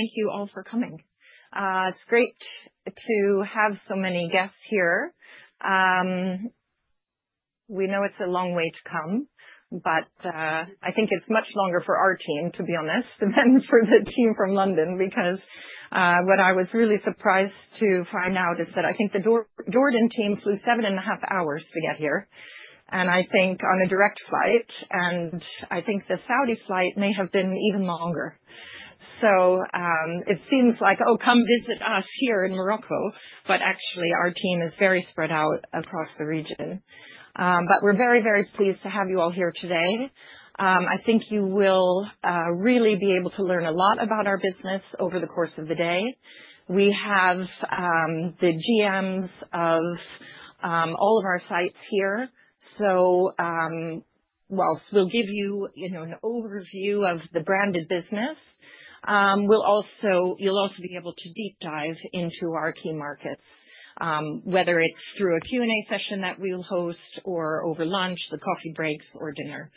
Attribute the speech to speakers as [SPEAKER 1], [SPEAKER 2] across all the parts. [SPEAKER 1] Great. Thank you all for coming. It's great to have so many guests here. We know it's a long way to come, but I think it's much longer for our team, to be honest, than for the team from London, because what I was really surprised to find out is that I think the Jordan team flew seven and a half hours to get here, and I think on a direct flight, and I think the Saudi flight may have been even longer. So it seems like, oh, come visit us here in Morocco, but actually our team is very spread out across the region. But we're very, very pleased to have you all here today. I think you will really be able to learn a lot about our business over the course of the day. We have the GMs of all of our sites here. We'll give you, you know, an overview of the branded business. We'll also, you'll also be able to deep dive into our key markets, whether it's through a Q&A session that we'll host or over lunch, the coffee breaks, or dinner.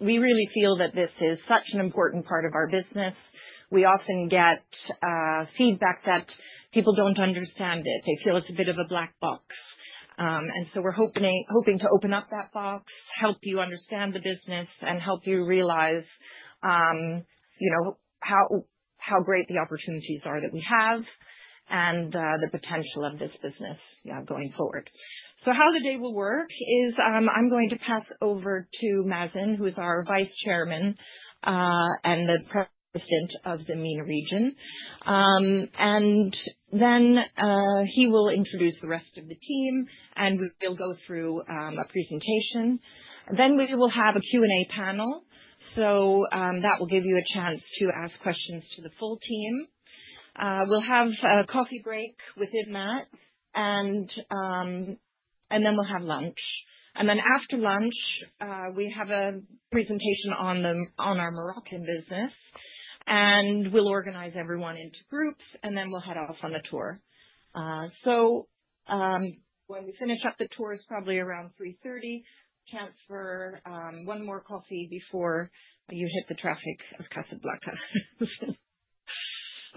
[SPEAKER 1] We really feel that this is such an important part of our business. We often get feedback that people don't understand it. They feel it's a bit of a black box, and so we're hoping to open up that box, help you understand the business, and help you realize, you know, how great the opportunities are that we have and the potential of this business, yeah, going forward. How the day will work is, I'm going to pass over to Mazen, who is our Vice Chairman and the President of the MENA region. And then, he will introduce the rest of the team, and we'll go through a presentation. Then we will have a Q&A panel. So, that will give you a chance to ask questions to the full team. We'll have a coffee break within that, and then we'll have lunch. And then after lunch, we have a presentation on our Moroccan business, and we'll organize everyone into groups, and then we'll head off on a tour. So, when we finish up the tour is probably around 3:30 P.M., chance for one more coffee before you hit the traffic of Casablanca.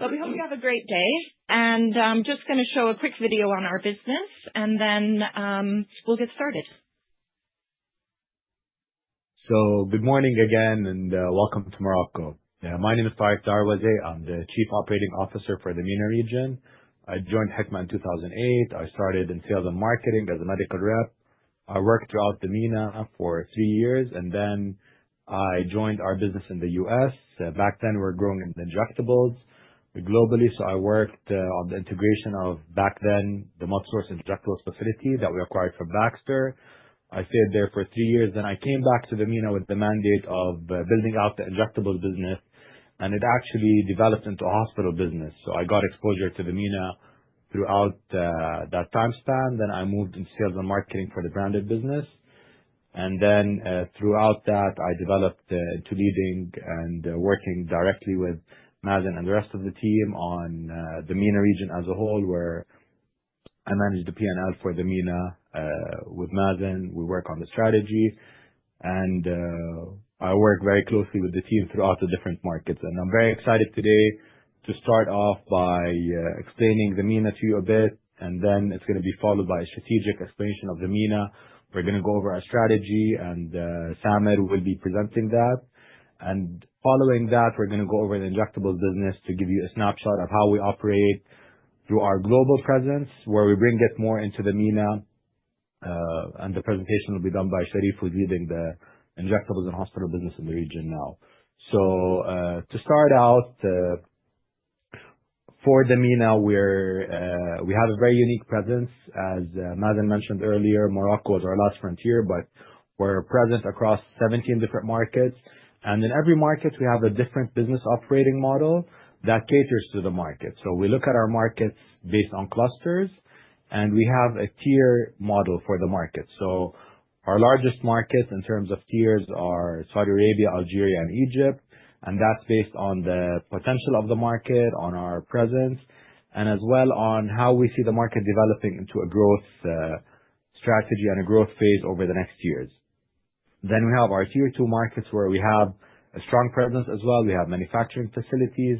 [SPEAKER 1] But we hope you have a great day, and just gonna show a quick video on our business, and then we'll get started.
[SPEAKER 2] Good morning again, and welcome to Morocco. Yeah, my name is Tareq Darwazeh. I'm the Chief Operating Officer for the MENA region. I joined Hikma in 2008. I started in sales and marketing as a medical rep. I worked throughout the MENA for three years, and then I joined our business in the U.S. Back then, we were growing in injectables globally, so I worked on the integration of back then the multi-source injectables facility that we acquired from Baxter. I stayed there for three years. Then I came back to the MENA with the mandate of building out the injectables business, and it actually developed into a hospital business. So I got exposure to the MENA throughout that time span. Then I moved into sales and marketing for the branded business. Then, throughout that, I developed into leading and working directly with Mazen and the rest of the team on the MENA region as a whole, where I manage the P&L for the MENA with Mazen. We work on the strategy, and I work very closely with the team throughout the different markets. I'm very excited today to start off by explaining the MENA to you a bit, and then it's gonna be followed by a strategic explanation of the MENA. We're gonna go over our strategy, and Samer will be presenting that. Following that, we're gonna go over the injectables business to give you a snapshot of how we operate through our global presence, where we bring it more into the MENA, and the presentation will be done by Sherif, who's leading the injectables and hospital business in the region now. To start out, for the MENA, we have a very unique presence. As Mazen mentioned earlier, Morocco is our last frontier, but we're present across 17 different markets. In every market, we have a different business operating model that caters to the market. We look at our markets based on clusters, and we have a tier model for the market. Our largest markets in terms of tiers are Saudi Arabia, Algeria, and Egypt, and that's based on the potential of the market, on our presence, and as well on how we see the market developing into a growth strategy and a growth phase over the next years. We have our tier two markets where we have a strong presence as well. We have manufacturing facilities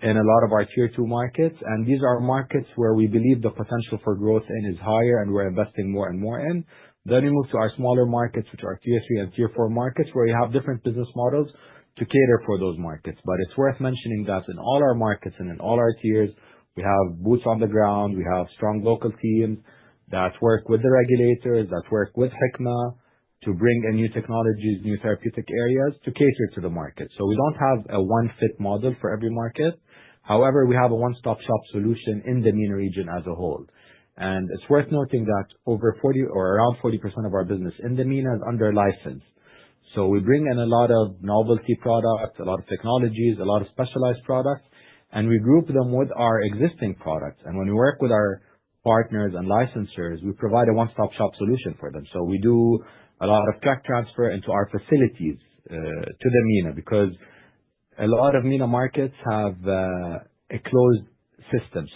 [SPEAKER 2] in a lot of our tier two markets, and these are markets where we believe the potential for growth in is higher and we're investing more and more in. Then we move to our smaller markets, which are tier three and tier four markets, where we have different business models to cater for those markets. But it's worth mentioning that in all our markets and in all our tiers, we have boots on the ground. We have strong local teams that work with the regulators, that work with Hikma to bring in new technologies, new therapeutic areas to cater to the market. So we don't have a one-fit model for every market. However, we have a one-stop shop solution in the MENA region as a whole. And it's worth noting that over 40 or around 40% of our business in the MENA is under license. We bring in a lot of novelty products, a lot of technologies, a lot of specialized products, and we group them with our existing products. When we work with our partners and licensors, we provide a one-stop shop solution for them. We do a lot of tech transfer into our facilities, to the MENA because a lot of MENA markets have a closed system.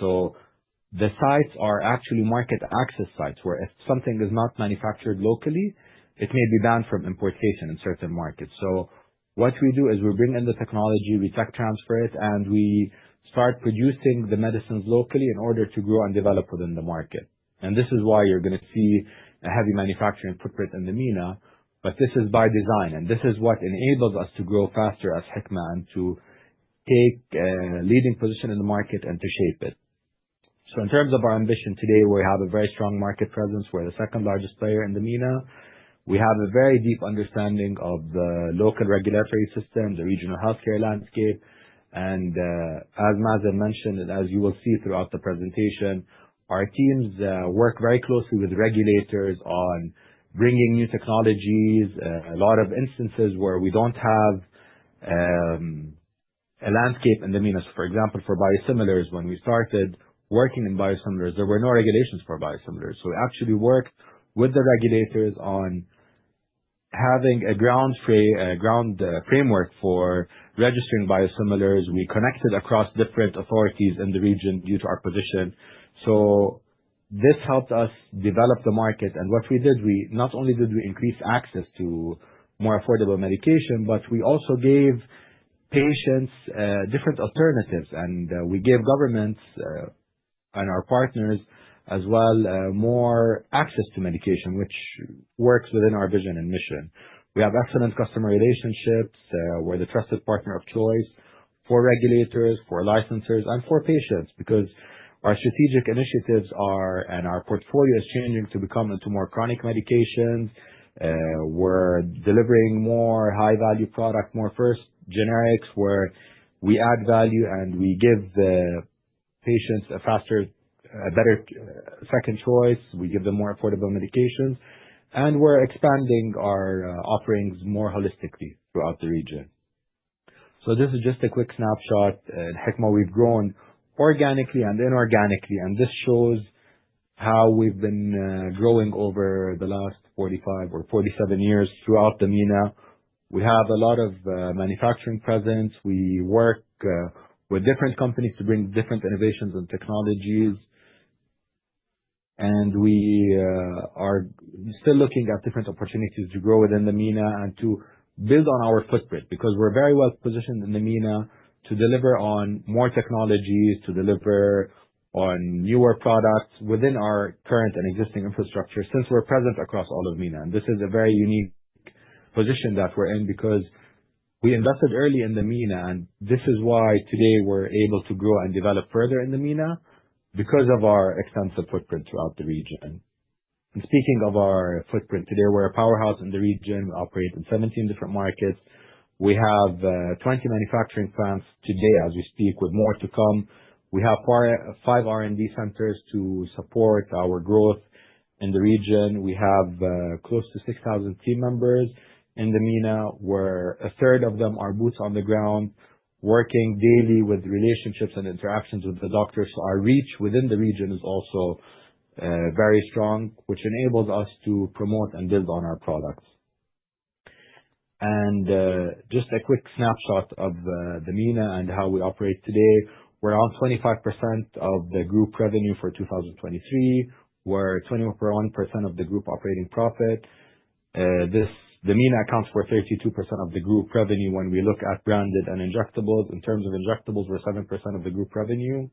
[SPEAKER 2] The sites are actually market access sites where if something is not manufactured locally, it may be banned from importation in certain markets. What we do is we bring in the technology, we tech transfer it, and we start producing the medicines locally in order to grow and develop within the market. This is why you're gonna see a heavy manufacturing footprint in the MENA, but this is by design, and this is what enables us to grow faster as Hikma and to take a leading position in the market and to shape it. In terms of our ambition today, we have a very strong market presence. We're the second largest player in the MENA. We have a very deep understanding of the local regulatory system, the regional healthcare landscape, and, as Mazen mentioned, and as you will see throughout the presentation, our teams work very closely with regulators on bringing new technologies, a lot of instances where we don't have a landscape in the MENA. For example, for biosimilars, when we started working in biosimilars, there were no regulations for biosimilars. We actually worked with the regulators on having a ground framework for registering biosimilars. We connected across different authorities in the region due to our position, so this helped us develop the market, and what we did, we not only did increase access to more affordable medication, but we also gave patients different alternatives, and we gave governments and our partners as well more access to medication, which works within our vision and mission. We have excellent customer relationships, we're the trusted partner of choice for regulators, for licensers, and for patients because our strategic initiatives are, and our portfolio is changing to become into more chronic medications. We're delivering more high-value products, more first generics where we add value and we give the patients a faster, a better, second choice. We give them more affordable medications, and we're expanding our offerings more holistically throughout the region, so this is just a quick snapshot in Hikma. We've grown organically and inorganically, and this shows how we've been growing over the last 45 or 47 years throughout the MENA. We have a lot of manufacturing presence. We work with different companies to bring different innovations and technologies, and we are still looking at different opportunities to grow within the MENA and to build on our footprint because we're very well positioned in the MENA to deliver on more technologies, to deliver on newer products within our current and existing infrastructure since we're present across all of MENA, and this is a very unique position that we're in because we invested early in the MENA, and this is why today we're able to grow and develop further in the MENA because of our extensive footprint throughout the region, and speaking of our footprint today, we're a powerhouse in the region. We operate in 17 different markets. We have 20 manufacturing plants today as we speak with more to come. We have five R&D centers to support our growth in the region. We have close to 6,000 team members in the MENA where a third of them are boots on the ground, working daily with relationships and interactions with the doctors. So our reach within the region is also very strong, which enables us to promote and build on our products. And just a quick snapshot of the MENA and how we operate today. We're 25% of the group revenue for 2023. We're 21% of the group operating profit. This, the MENA accounts for 32% of the group revenue when we look at branded and injectables. In terms of injectables, we're 7% of the group revenue.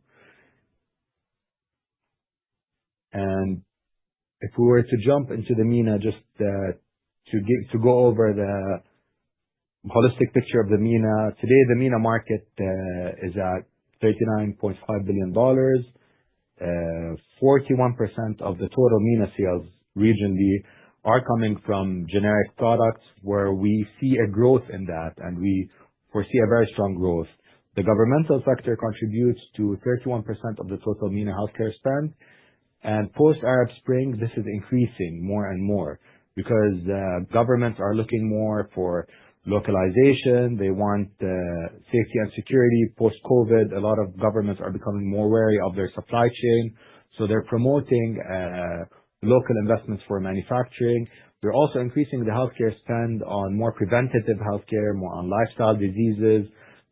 [SPEAKER 2] If we were to jump into the MENA, just to go over the holistic picture of the MENA today, the MENA market is at $39.5 billion. 41% of the total MENA sales regionally are coming from generic products where we see a growth in that, and we foresee a very strong growth. The governmental sector contributes to 31% of the total MENA healthcare spend. Post-Arab Spring, this is increasing more and more because governments are looking more for localization. They want safety and security post-COVID. A lot of governments are becoming more wary of their supply chain, so they're promoting local investments for manufacturing. They're also increasing the healthcare spend on more preventative healthcare, more on lifestyle diseases.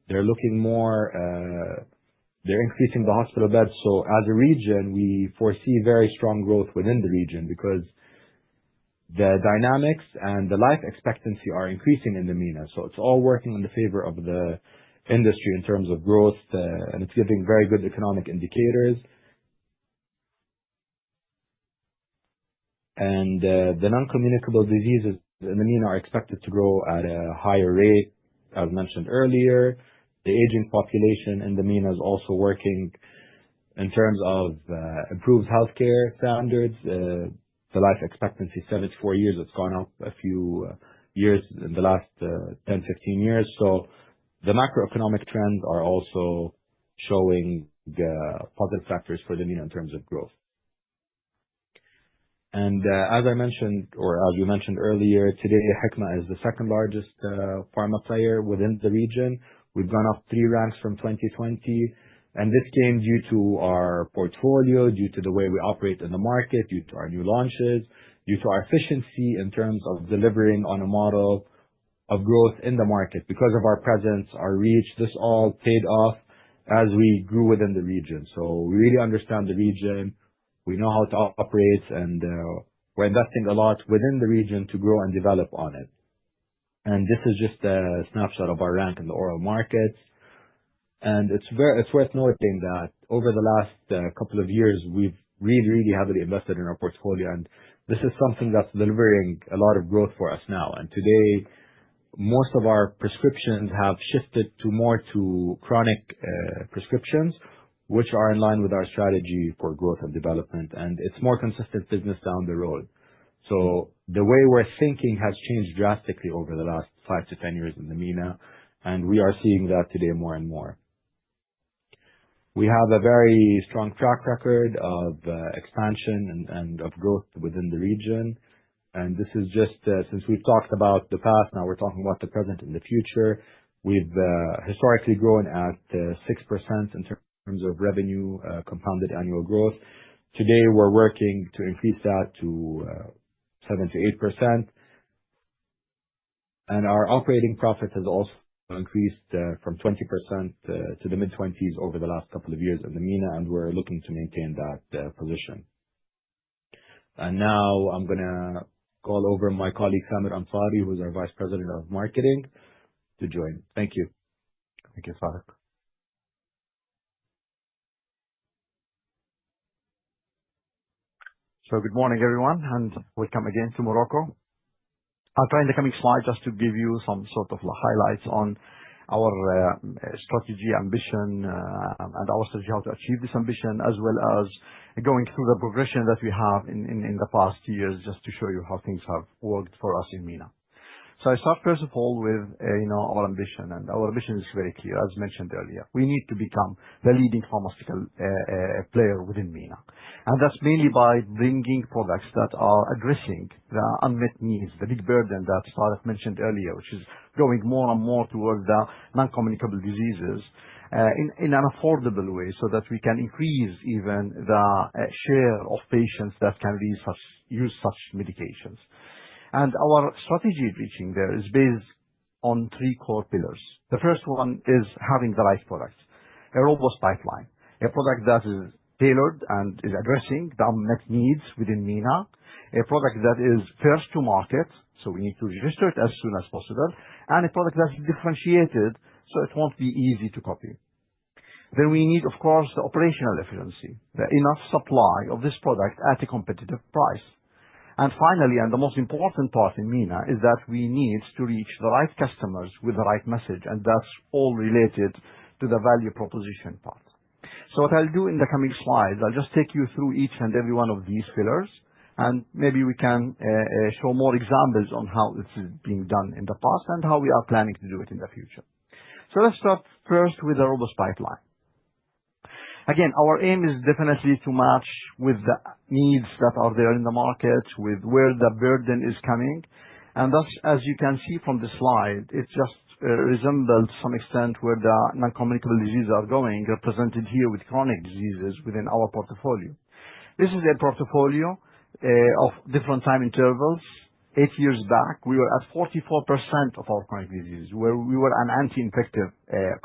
[SPEAKER 2] They're looking more, they're increasing the hospital beds. As a region, we foresee very strong growth within the region because the dynamics and the life expectancy are increasing in the MENA. It's all working in the favor of the industry in terms of growth, and it's giving very good economic indicators. The non-communicable diseases in the MENA are expected to grow at a higher rate, as mentioned earlier. The aging population in the MENA is also working in terms of improved healthcare standards. The life expectancy is 74 years. It's gone up a few years in the last 10, 15 years. The macroeconomic trends are also showing positive factors for the MENA in terms of growth. As I mentioned, or as you mentioned earlier, today Hikma is the second largest pharma player within the region. We've gone up three ranks from 2020, and this came due to our portfolio, due to the way we operate in the market, due to our new launches, due to our efficiency in terms of delivering on a model of growth in the market because of our presence, our reach. This all paid off as we grew within the region. So we really understand the region. We know how to operate, and we're investing a lot within the region to grow and develop on it. And this is just a snapshot of our rank in the oral markets. And it's worth noting that over the last couple of years, we've really, really heavily invested in our portfolio, and this is something that's delivering a lot of growth for us now. Today, most of our prescriptions have shifted more to chronic prescriptions, which are in line with our strategy for growth and development, and it's more consistent business down the road. The way we're thinking has changed drastically over the last 5-10 years in the MENA, and we are seeing that today more and more. We have a very strong track record of expansion and of growth within the region. This is just since we've talked about the past. Now we're talking about the present and the future. We've historically grown at 6% in terms of revenue, compounded annual growth. Today, we're working to increase that to 7%-8%. Our operating profit has also increased from 20% to the mid-20s over the last couple of years in the MENA, and we're looking to maintain that position. Now I'm gonna call over my colleague Samer Al Ansari, who's our Vice President of Marketing, to join. Thank you.
[SPEAKER 3] Thank you, Tareq. Good morning, everyone, and welcome again to Morocco. I'll try in the coming slides just to give you some sort of highlights on our strategy, ambition, and our strategy, how to achieve this ambition, as well as going through the progression that we have in the past years just to show you how things have worked for us in MENA. I start, first of all, with you know, our ambition, and our ambition is very clear. As mentioned earlier, we need to become the leading pharmaceutical player within MENA, and that's mainly by bringing products that are addressing the unmet needs, the big burden that Tareq mentioned earlier, which is going more and more towards the non-communicable diseases, in an affordable way so that we can increase even the share of patients that can afford such, use such medications. And our strategy of reaching there is based on three core pillars. The first one is having the right product, a robust pipeline, a product that is tailored and is addressing the unmet needs within MENA, a product that is first to market, so we need to register it as soon as possible, and a product that is differentiated so it won't be easy to copy. Then we need, of course, the operational efficiency, the enough supply of this product at a competitive price. And finally, the most important part in MENA is that we need to reach the right customers with the right message, and that's all related to the value proposition part. So what I'll do in the coming slides, I'll just take you through each and every one of these pillars, and maybe we can show more examples on how this is being done in the past and how we are planning to do it in the future. So let's start first with the robust pipeline. Again, our aim is definitely to match with the needs that are there in the market, with where the burden is coming. And thus, as you can see from the slide, it just resembles to some extent where the non-communicable diseases are going, represented here with chronic diseases within our portfolio. This is a portfolio of different time intervals. Eight years back, we were at 44% of our chronic diseases where we were an anti-infective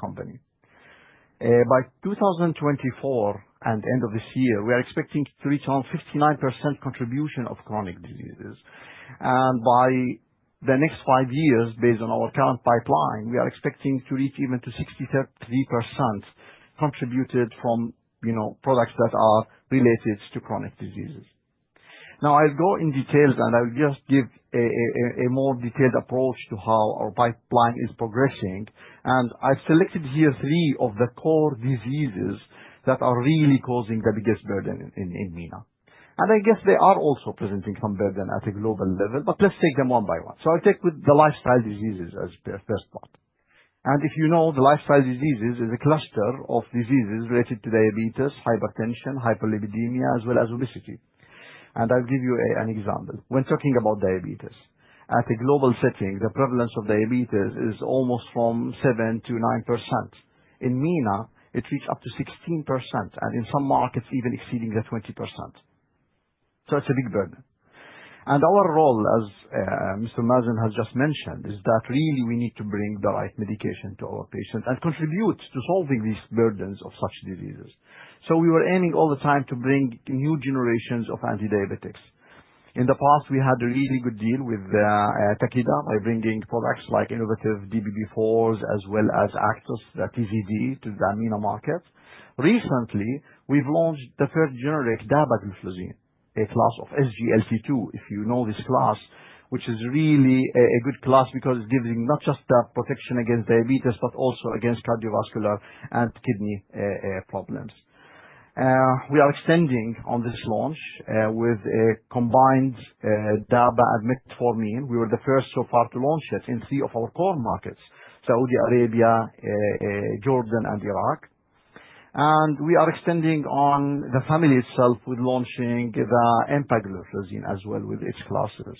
[SPEAKER 3] company. By 2024 and end of this year, we are expecting to reach around 59% contribution of chronic diseases. And by the next five years, based on our current pipeline, we are expecting to reach even to 63% contributed from, you know, products that are related to chronic diseases. Now I'll go in detail, and I'll just give a more detailed approach to how our pipeline is progressing. And I've selected here three of the core diseases that are really causing the biggest burden in MENA. And I guess they are also presenting some burden at a global level, but let's take them one by one. So I'll take with the lifestyle diseases as the first part. If you know, the lifestyle diseases is a cluster of diseases related to diabetes, hypertension, hyperlipidemia, as well as obesity. I'll give you an example. When talking about diabetes, at a global setting, the prevalence of diabetes is almost from 7%-9%. In MENA, it reached up to 16%, and in some markets, even exceeding 20%. It's a big burden. Our role, as Mr. Mazen has just mentioned, is that really we need to bring the right medication to our patients and contribute to solving these burdens of such diseases. We were aiming all the time to bring new generations of antidiabetics. In the past, we had a really good deal with Takeda by bringing products like innovative DPP-4s as well as Actos, the TZD, to the MENA market. Recently, we've launched the third generic dapagliflozin, a class of SGLT-2, if you know this class, which is really a good class because it's giving not just the protection against diabetes, but also against cardiovascular and kidney problems. We are extending on this launch with a combined dapagliflozin and metformin. We were the first so far to launch it in three of our core markets: Saudi Arabia, Jordan, and Iraq. And we are extending on the family itself with launching the empagliflozin as well with its classes.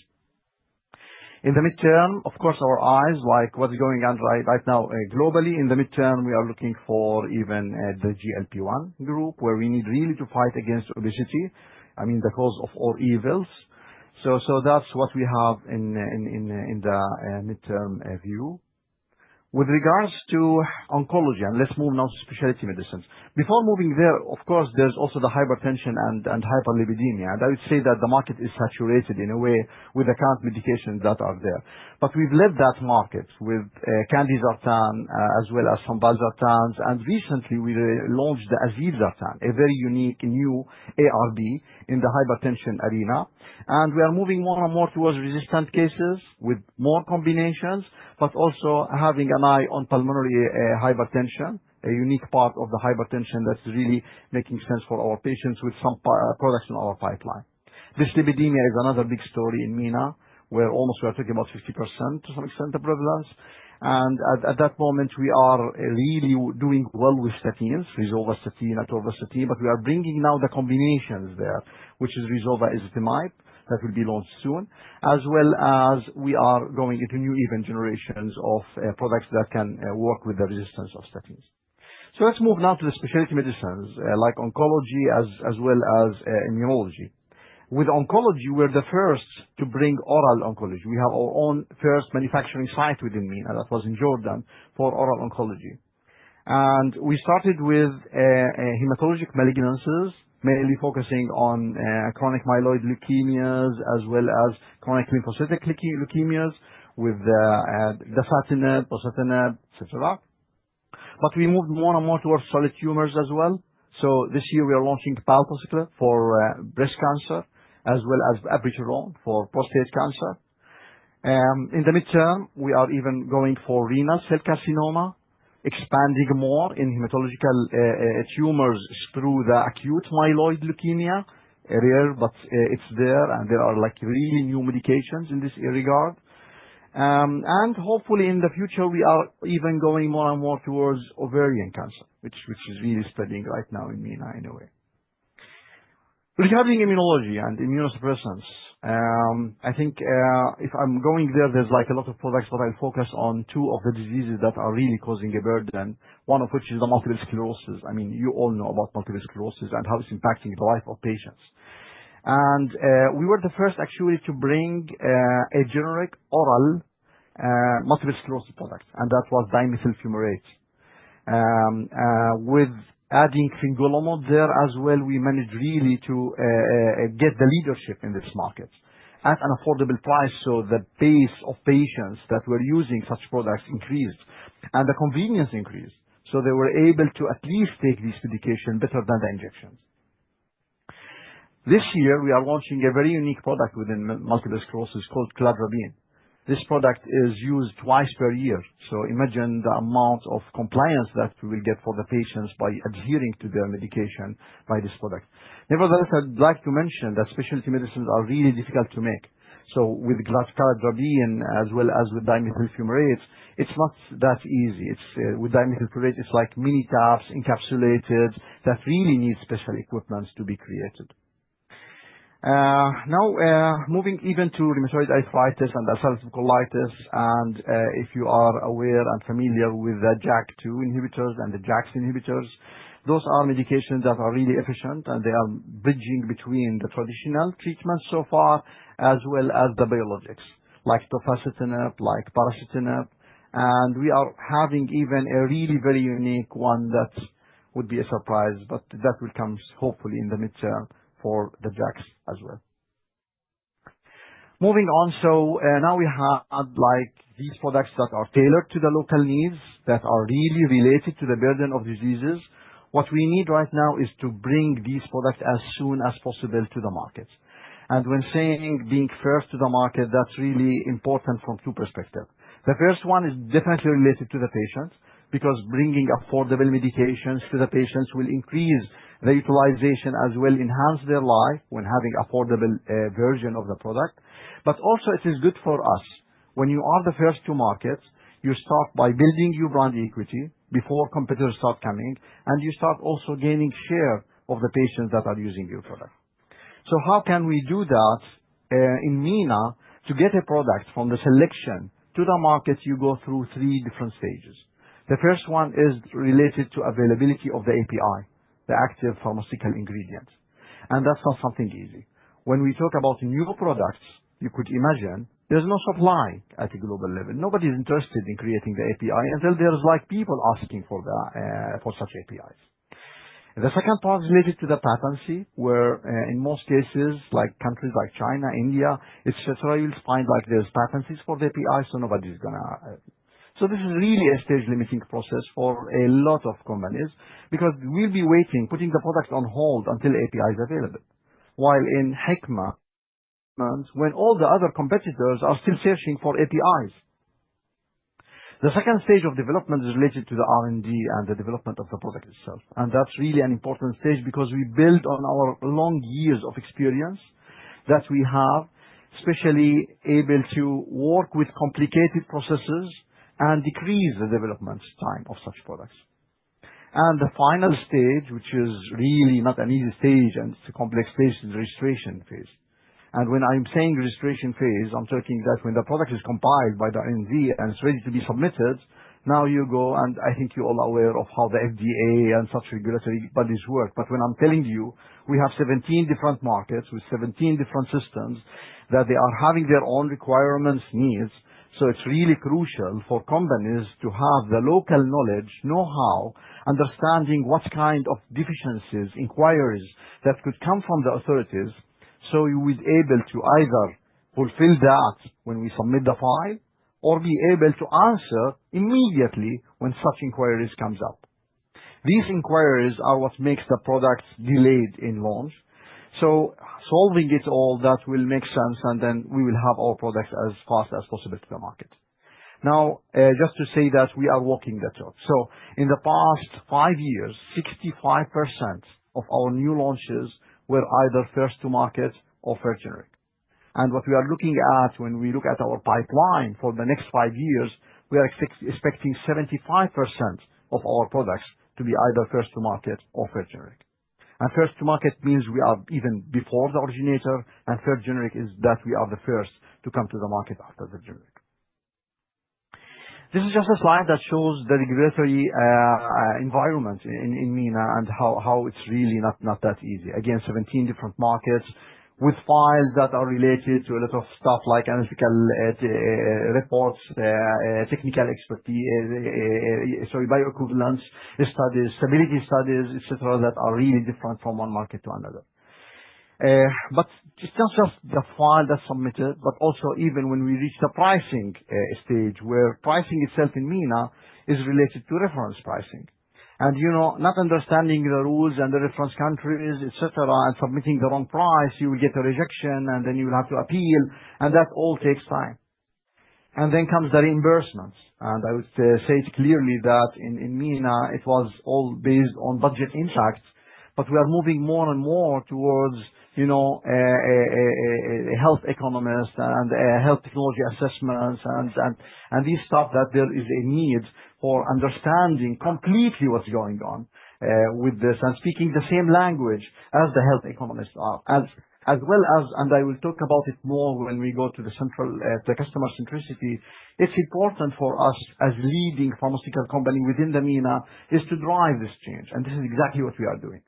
[SPEAKER 3] In the midterm, of course, our eyes, like what's going on right now, globally, in the midterm, we are looking for even the GLP-1 group where we need really to fight against obesity, I mean, the cause of all evils. So that's what we have in the midterm view. With regards to oncology, and let's move now to specialty medicines. Before moving there, of course, there's also the hypertension and hyperlipidemia. And I would say that the market is saturated in a way with the current medications that are there. But we've left that market with candesartan, as well as some valsartans. And recently, we launched the azilsartan, a very unique new ARB in the hypertension arena. And we are moving more and more towards resistant cases with more combinations, but also having an eye on pulmonary hypertension, a unique part of the hypertension that's really making sense for our patients with some products in our pipeline. Dyslipidemia is another big story in MENA where almost we are talking about 50% to some extent of prevalence. At that moment, we are really doing well with statins, rosuvastatin and atorvastatin, but we are bringing now the combinations there, which is rosuvastatin/ezetimibe that will be launched soon, as well as we are going into new, even generations of, products that can, work with the resistance of statins. Let's move now to the specialty medicines, like oncology, as well as immunology. With oncology, we're the first to bring oral oncology. We have our own first manufacturing site within MENA, that was in Jordan, for oral oncology. We started with, hematologic malignancies, mainly focusing on, chronic myeloid leukemias as well as chronic lymphocytic leukemias with, dasatinib, bosutinib, etc. We moved more and more towards solid tumors as well. This year, we are launching palbociclib for, breast cancer, as well as abiraterone for prostate cancer. In the midterm, we are even going for renal cell carcinoma, expanding more in hematological tumors through the acute myeloid leukemia, rare, but it's there, and there are like really new medications in this regard. Hopefully in the future, we are even going more and more towards ovarian cancer, which is really spreading right now in MENA anyway. Regarding immunology and immunosuppressants, I think if I'm going there, there's like a lot of products, but I'll focus on two of the diseases that are really causing a burden, one of which is multiple sclerosis. I mean, you all know about multiple sclerosis and how it's impacting the life of patients. We were the first actually to bring a generic oral multiple sclerosis product, and that was dimethyl fumarate. With adding fingolimod there as well, we managed really to get the leadership in this market at an affordable price so the base of patients that were using such products increased and the convenience increased. So they were able to at least take this medication better than the injections. This year, we are launching a very unique product within multiple sclerosis called cladribine. This product is used twice per year. So imagine the amount of compliance that we will get for the patients by adhering to their medication by this product. Nevertheless, I'd like to mention that specialty medicines are really difficult to make. So with cladribine, as well as with dimethyl fumarate, it's not that easy. It's with dimethyl fumarate. It's like mini tabs encapsulated that really need special equipment to be created. Now, moving even to rheumatoid arthritis and ulcerative colitis, and if you are aware and familiar with the JAK2 inhibitors and the JAK inhibitors, those are medications that are really efficient, and they are bridging between the traditional treatments so far as well as the biologics like tofacitinib, like baricitinib. We are having even a really very unique one that would be a surprise, but that will come hopefully in the mid-term for the JAKs as well. Moving on, so now we had like these products that are tailored to the local needs that are really related to the burden of diseases. What we need right now is to bring these products as soon as possible to the market. When saying being first to the market, that's really important from two perspectives. The first one is definitely related to the patients because bringing affordable medications to the patients will increase their utilization as well, enhance their life when having affordable version of the product. But also, it is good for us. When you are the first to market, you start by building your brand equity before competitors start coming, and you start also gaining share of the patients that are using your product. So how can we do that in MENA to get a product from the selection to the market? You go through three different stages. The first one is related to availability of the API, the active pharmaceutical ingredients. And that's not something easy. When we talk about new products, you could imagine there's no supply at a global level. Nobody's interested in creating the API until there's like people asking for such APIs. The second part is related to the patent where, in most cases, like countries like China, India, etc., you'll find like there's patents for the API, so nobody's gonna, so this is really a stage-limiting process for a lot of companies because we'll be waiting, putting the product on hold until API is available, while in Hikma, when all the other competitors are still searching for APIs. The second stage of development is related to the R&D and the development of the product itself. That's really an important stage because we build on our long years of experience that we have, especially able to work with complicated processes and decrease the development time of such products. The final stage, which is really not an easy stage, and it's a complex stage, is the registration phase. And when I'm saying registration phase, I'm talking that when the product is compiled by the R&D and it's ready to be submitted. Now you go, and I think you're all aware of how the FDA and such regulatory bodies work. But when I'm telling you, we have 17 different markets with 17 different systems that they are having their own requirements, needs. So it's really crucial for companies to have the local knowledge, know-how, understanding what kind of deficiencies, inquiries that could come from the authorities so we would be able to either fulfill that when we submit the file or be able to answer immediately when such inquiries come up. These inquiries are what makes the product delayed in launch. So solving it all, that will make sense, and then we will have our product as fast as possible to the market. Now, just to say that we are walking the talk so in the past five years, 65% of our new launches were either first to market or first generic, and what we are looking at when we look at our pipeline for the next five years, we are expecting 75% of our products to be either first to market or first generic, and first to market means we are even before the originator, and first generic is that we are the first to come to the market after the originator. This is just a slide that shows the regulatory environment in MENA and how it's really not that easy. Again, 17 different markets with files that are related to a lot of stuff like analytical reports, technical expertise, sorry, bioequivalence studies, stability studies, etc., that are really different from one market to another. But it's not just the file that's submitted, but also even when we reach the pricing stage where pricing itself in MENA is related to reference pricing. And, you know, not understanding the rules and the reference countries, etc., and submitting the wrong price, you will get a rejection, and then you will have to appeal, and that all takes time. And then comes the reimbursements. And I would say it clearly that in MENA, it was all based on budget impact, but we are moving more and more towards, you know, health economists and health technology assessments and this stuff that there is a need for understanding completely what's going on with this and speaking the same language as the health economists as well as, and I will talk about it more when we go to the central to the customer centricity. It's important for us as leading pharmaceutical company within the MENA is to drive this change. And this is exactly what we are doing.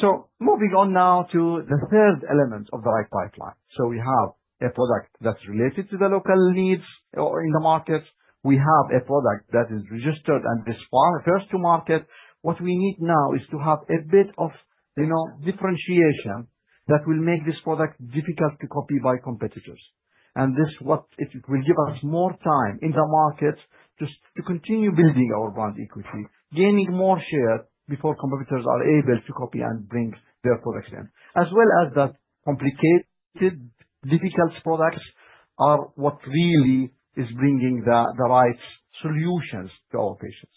[SPEAKER 3] So moving on now to the third element of the right pipeline. So we have a product that's related to the local needs or in the market. We have a product that is registered and this first to market. What we need now is to have a bit of, you know, differentiation that will make this product difficult to copy by competitors. And this is what it will give us more time in the market to continue building our brand equity, gaining more share before competitors are able to copy and bring their products in, as well as that complicated, difficult products are what really is bringing the right solutions to our patients.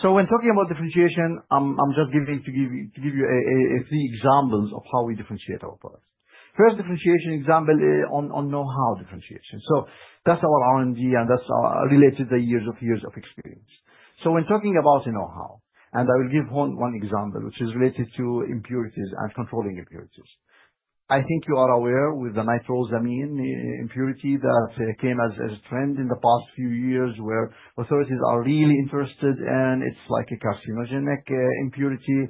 [SPEAKER 3] So when talking about differentiation, I'm just giving you three examples of how we differentiate our products. First differentiation example is on know-how differentiation. So that's our R&D, and that's related to the years of experience. So when talking about the know-how, and I will give one example, which is related to impurities and controlling impurities. I think you are aware of the nitrosamine impurity that came as a trend in the past few years where authorities are really interested in it. It's like a carcinogenic impurity.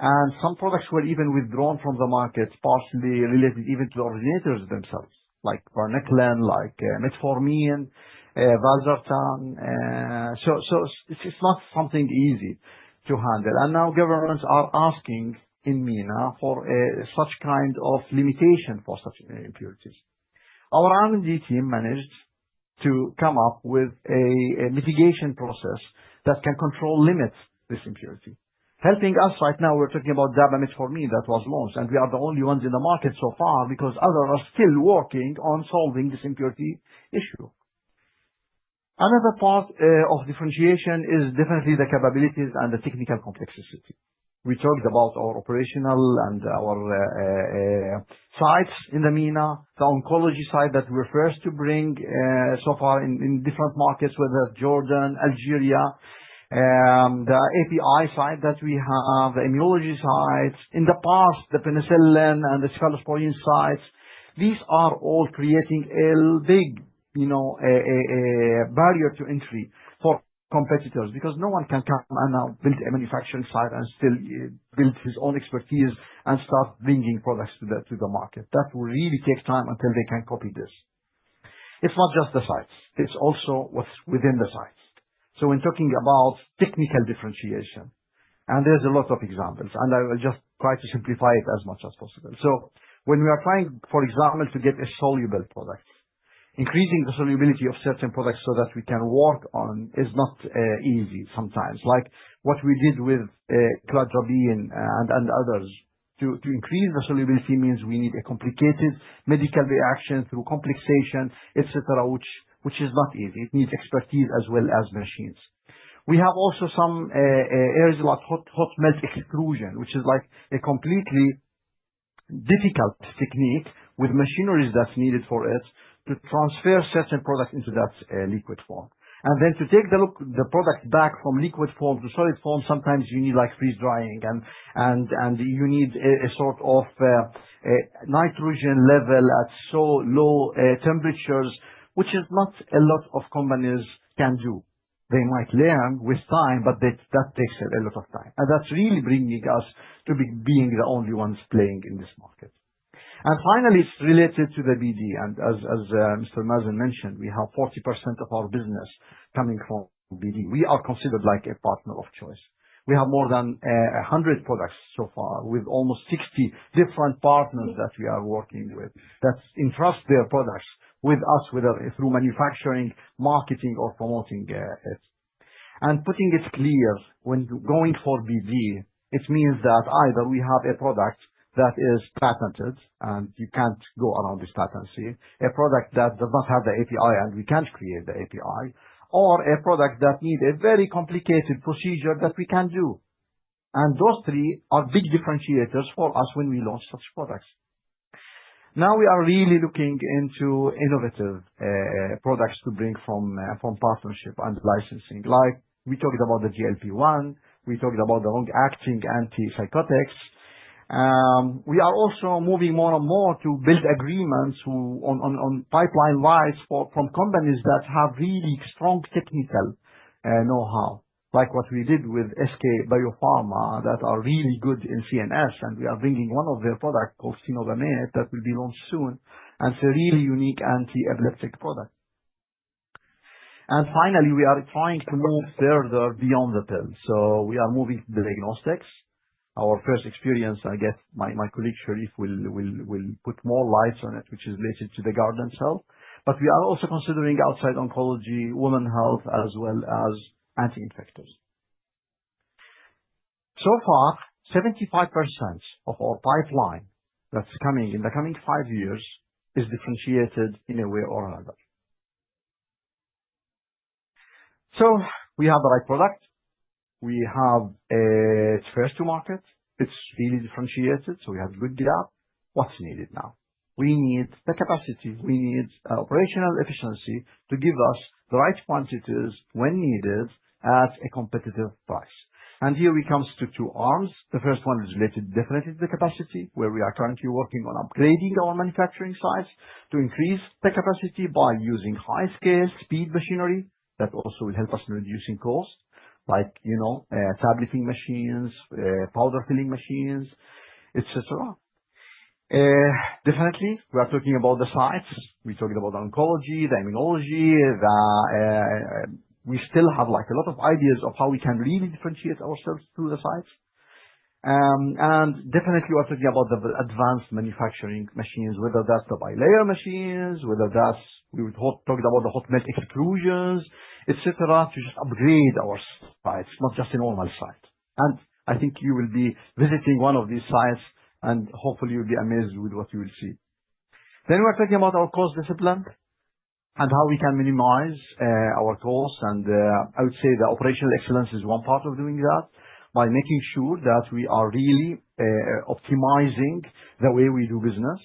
[SPEAKER 3] And some products were even withdrawn from the market, partially related even to the originators themselves, like varenicline, like metformin, valsartan. So it's not something easy to handle. And now governments are asking in MENA for such kind of limitation for such impurities. Our R&D team managed to come up with a mitigation process that can control limit this impurity. Helping us right now, we're talking about the metformin that was launched, and we are the only ones in the market so far because others are still working on solving this impurity issue. Another part of differentiation is definitely the capabilities and the technical complexity. We talked about our operational and our sites in the MENA, the oncology side that we're first to bring so far in different markets, whether it's Jordan, Algeria, the API side that we have, the immunology side, in the past, the penicillin and the cephalosporin sides. These are all creating a big, you know, barrier to entry for competitors because no one can come and now build a manufacturing site and still build his own expertise and start bringing products to the market. That will really take time until they can copy this. It's not just the sites. It's also what's within the sites. So when talking about technical differentiation, and there's a lot of examples, and I will just try to simplify it as much as possible. So when we are trying, for example, to get a soluble product, increasing the solubility of certain products so that we can work on is not easy sometimes, like what we did with cladribine and others. To increase the solubility means we need a complicated medical reaction through complexation, etc., which is not easy. It needs expertise as well as machines. We have also some areas like hot melt extrusion, which is like a completely difficult technique with machineries that's needed for it to transfer certain products into that liquid form. To take the product back from liquid form to solid form, sometimes you need like freeze drying and you need a sort of nitrogen level at such low temperatures, which not a lot of companies can do. They might learn with time, but that takes a lot of time. That's really bringing us to being the only ones playing in this market. Finally, it's related to the BD. As Mr. Mazen mentioned, we have 40% of our business coming from BD. We are considered like a partner of choice. We have more than 100 products so far with almost 60 different partners that we are working with that entrust their products with us, whether through manufacturing, marketing, or promoting it. Putting it clear, when going for BD, it means that either we have a product that is patented and you can't go around this patent, a product that does not have the API and we can't create the API, or a product that needs a very complicated procedure that we can do. Those three are big differentiators for us when we launch such products. Now we are really looking into innovative products to bring from partnership and licensing, like we talked about the GLP-1. We talked about the long-acting antipsychotics. We are also moving more and more to build agreements on pipeline-wise from companies that have really strong technical know-how, like what we did with SK Biopharma that are really good in CNS. And we are bringing one of their products called cenobamate that will be launched soon and it's a really unique anti-epileptic product. Finally, we are trying to move further beyond the pill. We are moving to the diagnostics. Our first experience, I guess my colleague Sharif will shed more light on it, which is related to the Guardant Health. But we are also considering outside oncology, women's health, as well as anti-infectives. So far, 75% of our pipeline that's coming in the coming five years is differentiated in a way or another. We have the right product. We have a first-to-market. It's really differentiated. So we have good gap. What's needed now? We need the capacity. We need operational efficiency to give us the right quantities when needed at a competitive price. And here we come to two arms. The first one is related definitely to the capacity where we are currently working on upgrading our manufacturing sites to increase the capacity by using high-scale speed machinery that also will help us in reducing costs, like, you know, tableting machines, powder filling machines, etc. Definitely, we are talking about the sites. We talked about oncology, the immunology. We still have like a lot of ideas of how we can really differentiate ourselves through the sites. And definitely, we're talking about the advanced manufacturing machines, whether that's the bilayer machines, whether that's, we talked about the hot melt extrusions, etc., to just upgrade our sites, not just a normal site. I think you will be visiting one of these sites, and hopefully, you'll be amazed with what you will see. Then we're talking about our cost discipline and how we can minimize our costs. And I would say the operational excellence is one part of doing that by making sure that we are really optimizing the way we do business.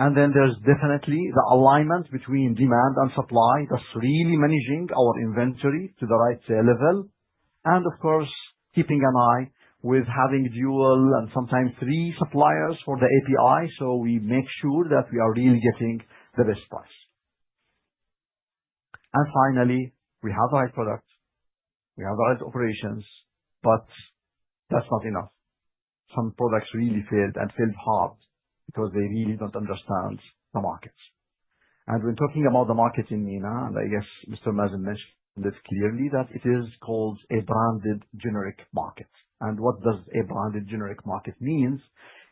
[SPEAKER 3] And then there's definitely the alignment between demand and supply that's really managing our inventory to the right level. And of course, keeping an eye with having dual and sometimes three suppliers for the API so we make sure that we are really getting the best price. And finally, we have the right product. We have the right operations, but that's not enough. Some products really failed and failed hard because they really don't understand the markets. And when talking about the market in MENA, and I guess Mr. Mazen mentioned it clearly that it is called a branded generic market. What does a branded generic market mean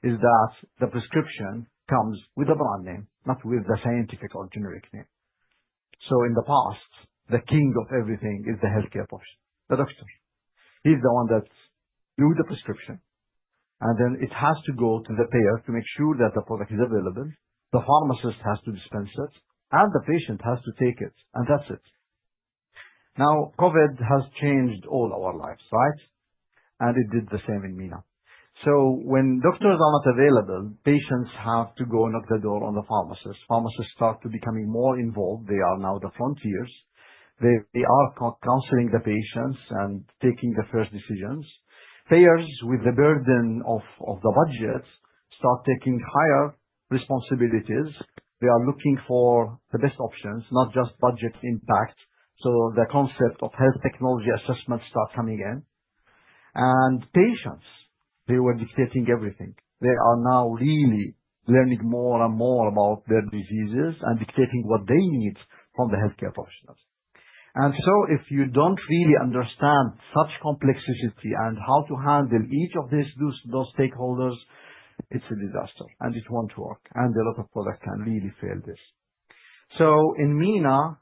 [SPEAKER 3] is that the prescription comes with a brand name, not with the scientific or generic name. In the past, the king of everything is the healthcare professional, the doctor. He's the one that's doing the prescription, and then it has to go to the payer to make sure that the product is available. The pharmacist has to dispense it, and the patient has to take it, and that's it. Now, COVID has changed all our lives, right? It did the same in MENA. When doctors are not available, patients have to go knock the door on the pharmacist. Pharmacists start to become more involved. They are now the frontiers. They are counseling the patients and taking the first decisions. Payers, with the burden of the budget, start taking higher responsibilities. They are looking for the best options, not just budget impact. So the concept of health technology assessments starts coming in. And patients, they were dictating everything. They are now really learning more and more about their diseases and dictating what they need from the healthcare professionals. And so if you don't really understand such complexity and how to handle each of these, those stakeholders, it's a disaster, and it won't work. And a lot of products can really fail this. So in MENA,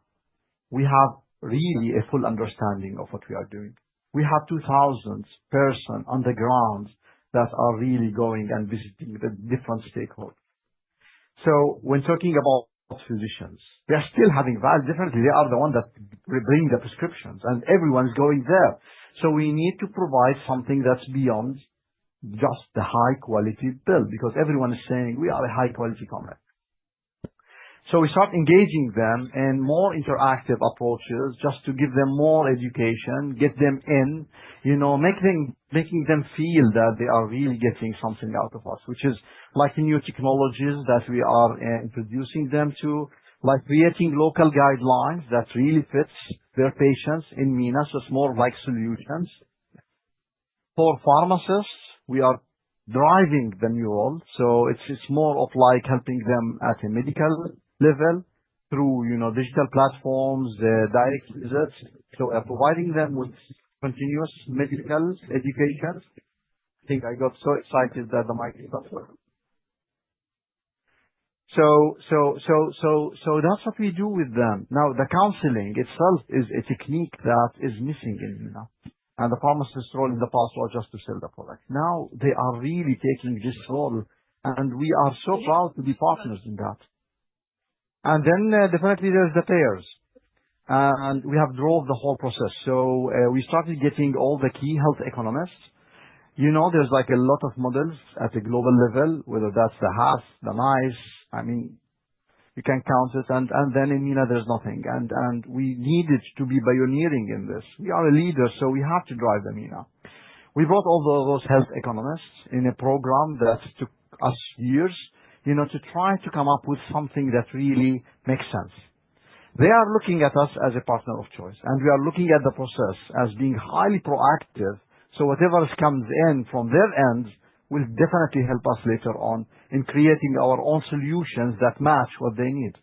[SPEAKER 3] we have really a full understanding of what we are doing. We have 2,000 persons on the ground that are really going and visiting the different stakeholders. So when talking about physicians, they are still having value. Definitely, they are the ones that bring the prescriptions, and everyone's going there. We need to provide something that's beyond just the high-quality pill because everyone is saying, "We are a high-quality company." We start engaging them in more interactive approaches just to give them more education, get them in, you know, making them feel that they are really getting something out of us, which is like new technologies that we are introducing them to, like creating local guidelines that really fit their patients in MENA. It's more like solutions. For pharmacists, we are driving the new role. It's more of like helping them at a medical level through, you know, digital platforms, direct visits. We are providing them with continuous medical education. I think I got so excited that the microphone worked. That's what we do with them. Now, the counseling itself is a technique that is missing in MENA. The pharmacist's role in the past was just to sell the product. Now they are really taking this role, and we are so proud to be partners in that. Then definitely there's the payers, and we have drove the whole process. We started getting all the key health economists. You know, there's like a lot of models at a global level, whether that's the HAS, the NICE. I mean, you can count it. Then in MENA, there's nothing. We needed to be pioneering in this. We are a leader, so we have to drive the MENA. We brought all those health economists in a program that took us years, you know, to try to come up with something that really makes sense. They are looking at us as a partner of choice, and we are looking at the process as being highly proactive. So whatever comes in from their end will definitely help us later on in creating our own solutions that match what they need.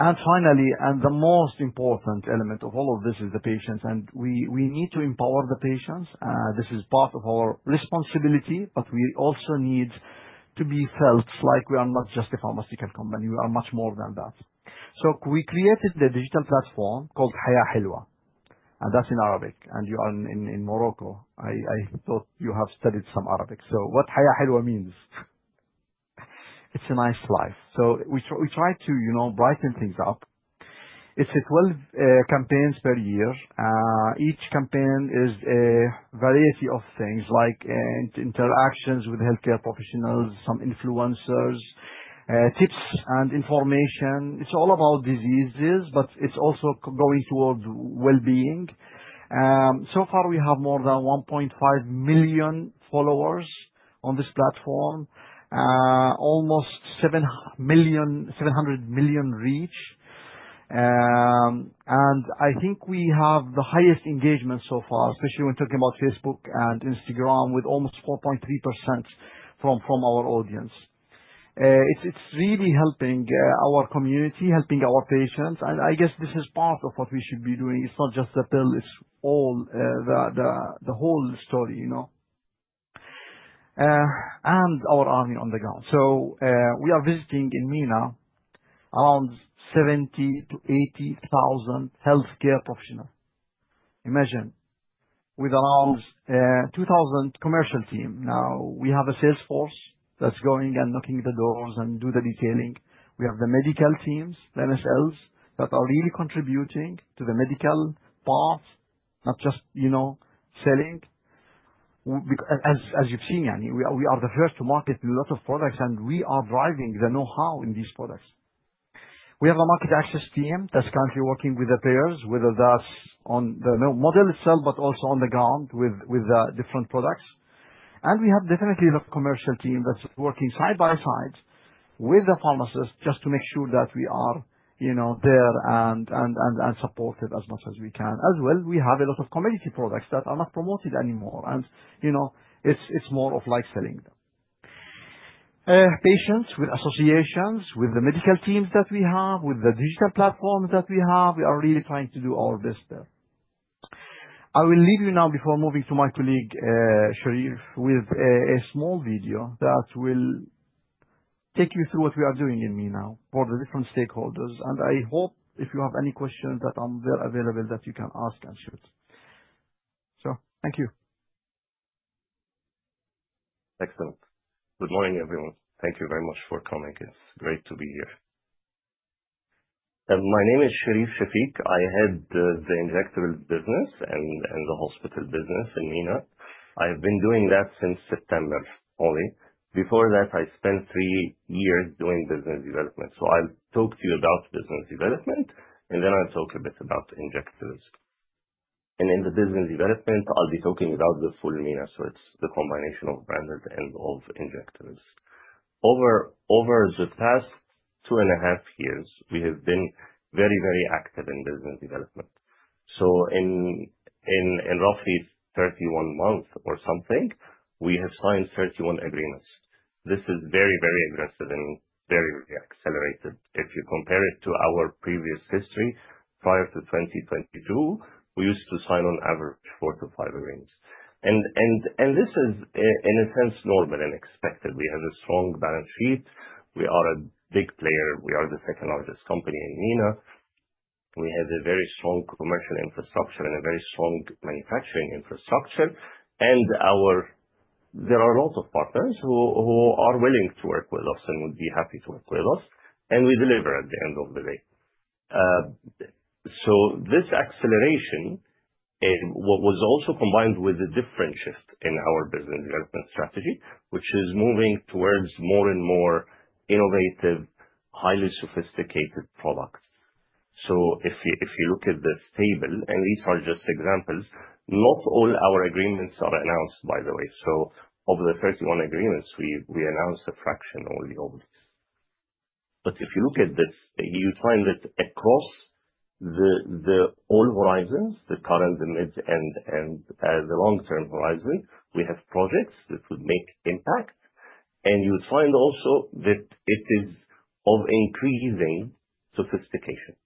[SPEAKER 3] And finally, and the most important element of all of this is the patients. And we need to empower the patients. This is part of our responsibility, but we also need to be felt like we are not just a pharmaceutical company. We are much more than that. So we created the digital platform called Al Haya Hilwa, and that's in Arabic. And you are in Morocco. I thought you have studied some Arabic. So what Al Haya Hilwa means? It's a nice life. So we try to, you know, brighten things up. It's 12 campaigns per year. Each campaign is a variety of things like interactions with healthcare professionals, some influencers, tips and information. It's all about diseases, but it's also going towards well-being. So far, we have more than 1.5 million followers on this platform, almost 700 million reach. And I think we have the highest engagement so far, especially when talking about Facebook and Instagram, with almost 4.3% from our audience. It's really helping our community, helping our patients. I guess this is part of what we should be doing. It's not just the pill. It's all the whole story, you know, and our army on the ground. We are visiting in MENA around 70,000-80,000 healthcare professionals. Imagine with around 2,000 commercial teams. Now we have a salesforce that's going and knocking the doors and doing the detailing. We have the medical teams, the MSLs that are really contributing to the medical path, not just, you know, selling. Because as you've seen, we are the first to market a lot of products, and we are driving the know-how in these products. We have a market access team that's currently working with the payers, whether that's on the model itself, but also on the ground with different products. And we have definitely a lot of commercial teams that's working side by side with the pharmacists just to make sure that we are, you know, there and supportive as much as we can. As well, we have a lot of commodity products that are not promoted anymore. And, you know, it's more of like selling them patients with associations with the medical teams that we have, with the digital platforms that we have. We are really trying to do our best there. I will leave you now before moving to my colleague, Sherif, with a small video that will take you through what we are doing in MENA for the different stakeholders. And I hope if you have any questions that I'm there available, that you can ask and shoot. So thank you.
[SPEAKER 4] Excellent. Good morning, everyone. Thank you very much for coming. It's great to be here. My name is Sherif Shafick. I head the injectable business and the hospital business in MENA. I have been doing that since September only. Before that, I spent three years doing business development. So I'll talk to you about business development, and then I'll talk a bit about injectables. And in the business development, I'll be talking about the full MENA. So it's the combination of branded and injectables. Over the past 2.5 years, we have been very, very active in business development. So in roughly 31 months or something, we have signed 31 agreements. This is very, very aggressive and very accelerated. If you compare it to our previous history prior to 2022, we used to sign on average four to five agreements, and this is, in a sense, normal and expected. We have a strong balance sheet. We are a big player. We are the second largest company in MENA. We have a very strong commercial infrastructure and a very strong manufacturing infrastructure, and there are a lot of partners who are willing to work with us and would be happy to work with us, and we deliver at the end of the day. So this acceleration was also combined with a different shift in our business development strategy, which is moving towards more and more innovative, highly sophisticated products. So if you look at the table, and these are just examples, not all our agreements are announced, by the way. So of the 31 agreements, we announced a fraction only of these. But if you look at this, you'd find that across all the horizons, the current, the mid-term, and the long-term horizon, we have projects that would make impact. And you'd find also that it is of increasing sophistication.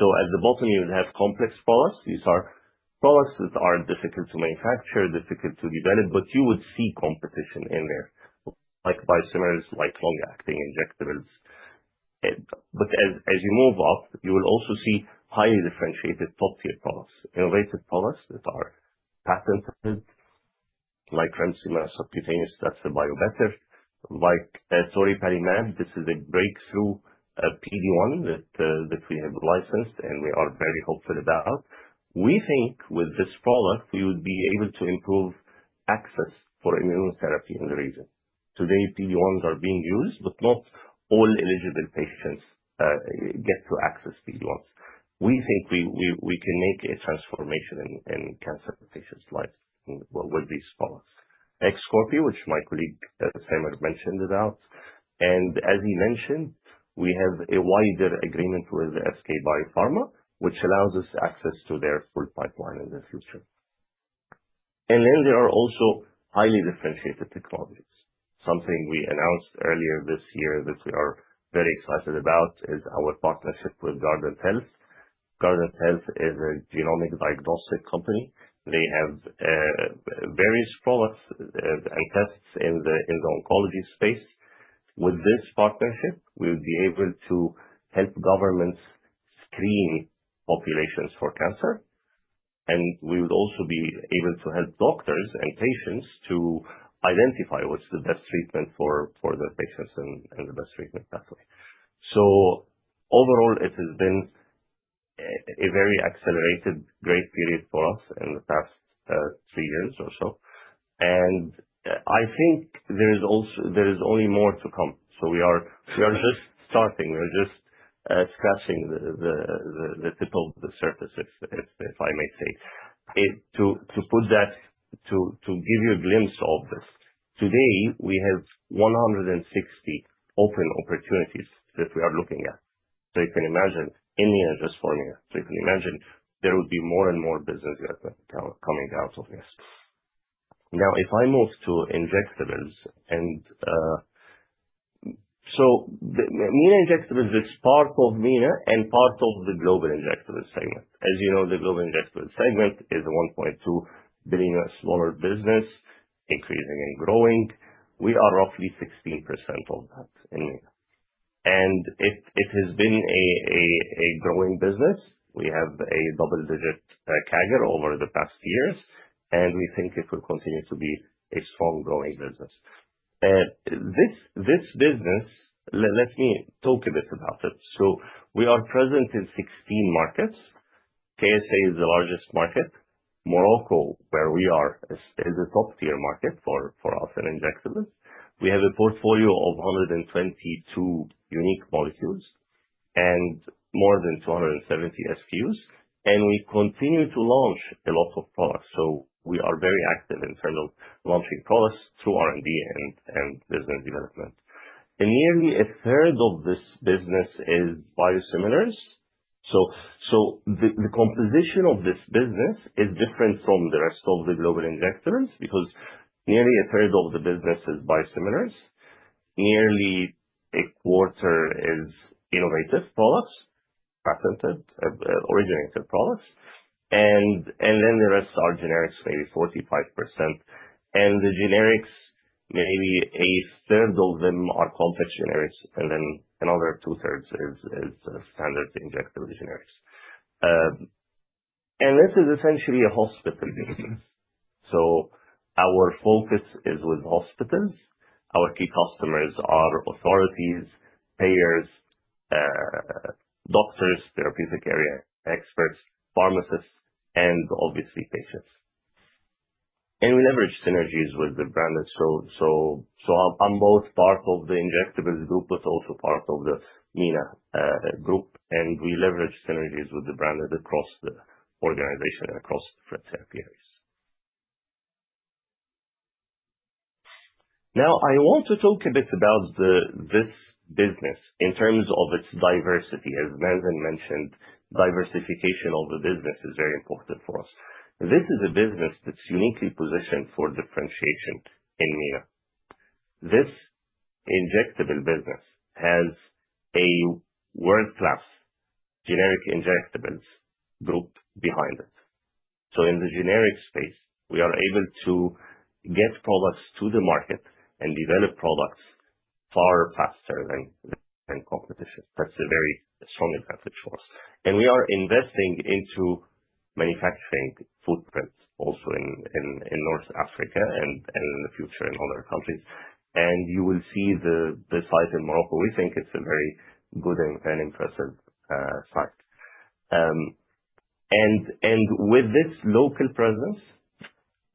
[SPEAKER 4] So at the bottom, you would have complex products. These are products that are difficult to manufacture, difficult to develop, but you would see competition in there, like biosimilars, like long-acting injectables. But as you move up, you will also see highly differentiated top-tier products, innovative products that are patented, like Remsima subcutaneous. That's the biobetter, like, toripalimab. This is a breakthrough, PD-1 that we have licensed and we are very hopeful about. We think with this product, we would be able to improve access for immunotherapy in the region. Today, PD-1s are being used, but not all eligible patients get to access PD-1s. We think we can make a transformation in cancer patients' lives with these products. Xcopri, which my colleague, Samer mentioned about. And as he mentioned, we have a wider agreement with SK Biopharma, which allows us access to their full pipeline in the future. And then there are also highly differentiated technologies. Something we announced earlier this year that we are very excited about is our partnership with Guardant Health. Guardant Health is a genomic diagnostic company. They have various products and tests in the oncology space. With this partnership, we would be able to help governments screen populations for cancer, and we would also be able to help doctors and patients to identify what's the best treatment for their patients and the best treatment pathway, so overall, it has been a very accelerated great period for us in the past three years or so, and I think there is also only more to come, so we are just starting. We're just scratching the tip of the surface, if I may say, to put that to give you a glimpse of this. Today, we have 160 open opportunities that we are looking at. So you can imagine in MENA just for MENA. So you can imagine there would be more and more business development coming out of this. Now, if I move to injectables and, so the MENA injectables is part of MENA and part of the global injectable segment. As you know, the global injectable segment is a $1.2 billion smaller business, increasing and growing. We are roughly 16% of that in MENA. And it has been a growing business. We have a double-digit CAGR over the past years, and we think it will continue to be a strong growing business. This business, let me talk a bit about it. So we are present in 16 markets. KSA is the largest market. Morocco, where we are, is a top-tier market for us and injectables. We have a portfolio of 122 unique molecules and more than 270 SKUs. We continue to launch a lot of products. We are very active in terms of launching products through R&D and business development. Nearly a third of this business is biosimilars. The composition of this business is different from the rest of the global injectables because nearly a third of the business is biosimilars. Nearly a quarter is innovative products, patented, originated products. Then the rest are generics, maybe 45%. The generics, maybe a third of them, are complex generics. Then another two-thirds is standard injectable generics. This is essentially a hospital business. Our focus is with hospitals. Our key customers are authorities, payers, doctors, therapeutic area experts, pharmacists, and obviously patients. We leverage synergies with the branded. So I'm both part of the injectables group, but also part of the MENA group. And we leverage synergies with the branded across the organization and across different therapy areas. Now, I want to talk a bit about this business in terms of its diversity. As Mazen mentioned, diversification of the business is very important for us. This is a business that's uniquely positioned for differentiation in MENA. This injectable business has a world-class generic injectables group behind it. So in the generic space, we are able to get products to the market and develop products far faster than the competition. That's a very strong advantage for us. And we are investing into manufacturing footprints also in North Africa and in the future in other countries. And you will see the site in Morocco. We think it's a very good and impressive site. With this local presence,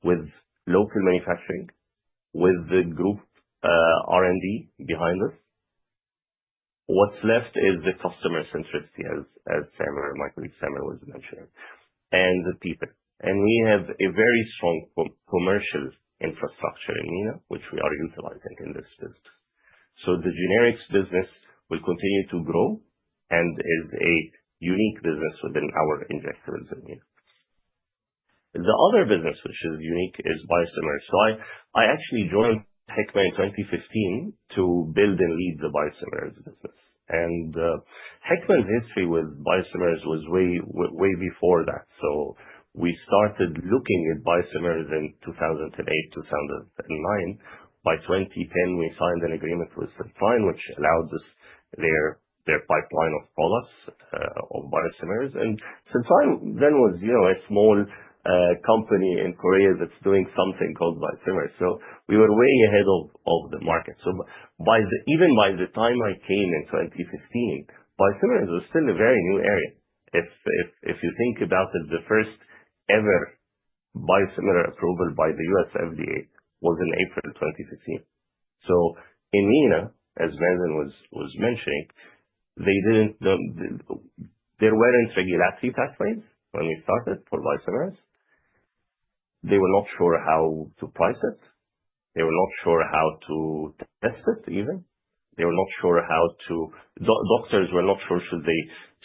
[SPEAKER 4] with local manufacturing, with the group R&D behind us, what's left is the customer centricity, as Samer, my colleague Samer was mentioning, and the people. We have a very strong commercial infrastructure in MENA, which we are utilizing in this business. The generics business will continue to grow and is a unique business within our injectables in MENA. The other business, which is unique, is biosimilars. I actually joined Hikma in 2015 to build and lead the biosimilars business. Hikma's history with biosimilars was way before that. We started looking at biosimilars in 2008, 2009. By 2010, we signed an agreement with Celltrion, which allowed us their pipeline of products, of biosimilars. Celltrion then was, you know, a small company in Korea that's doing something called biosimilars. So we were way ahead of the market. So even by the time I came in 2015, biosimilars was still a very new area. If you think about it, the first ever biosimilar approval by the U.S. FDA was in April 2015. So in MENA, as Mazen was mentioning, there weren't regulatory pathways when we started for biosimilars. They were not sure how to price it. They were not sure how to test it even. They were not sure how doctors were not sure should they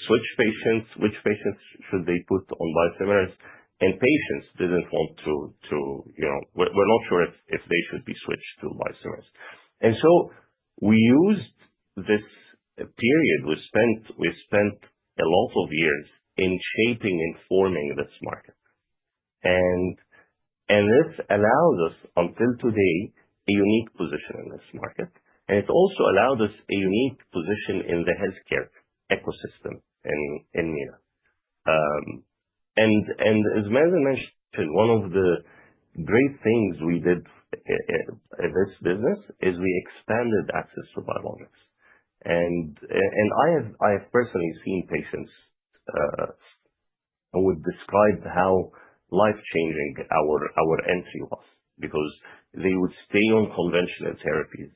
[SPEAKER 4] switch patients, which patients should they put on biosimilars. And patients didn't want to, you know, we're not sure if they should be switched to biosimilars. And so we used this period we spent a lot of years in shaping and forming this market. And this allows us until today a unique position in this market. And it also allowed us a unique position in the healthcare ecosystem in MENA. And as Mazen mentioned, one of the great things we did in this business is we expanded access to biologics. And I have personally seen patients who would describe how life-changing our entry was because they would stay on conventional therapies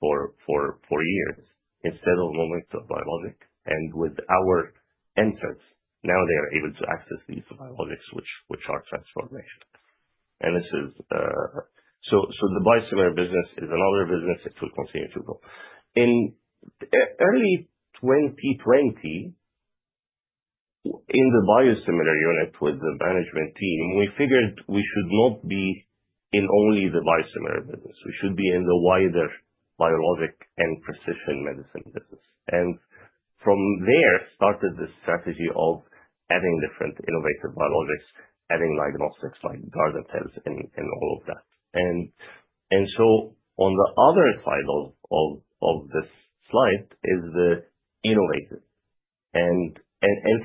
[SPEAKER 4] for years instead of moving to biologic. And with our entrants, now they are able to access these biologics, which are transformational. And this is so the biosimilar business is another business that will continue to grow. In early 2020, in the biosimilar unit with the management team, we figured we should not be in only the biosimilar business. We should be in the wider biologic and precision medicine business. And from there started the strategy of adding different innovative biologics, adding diagnostics like Guardant Health and all of that. And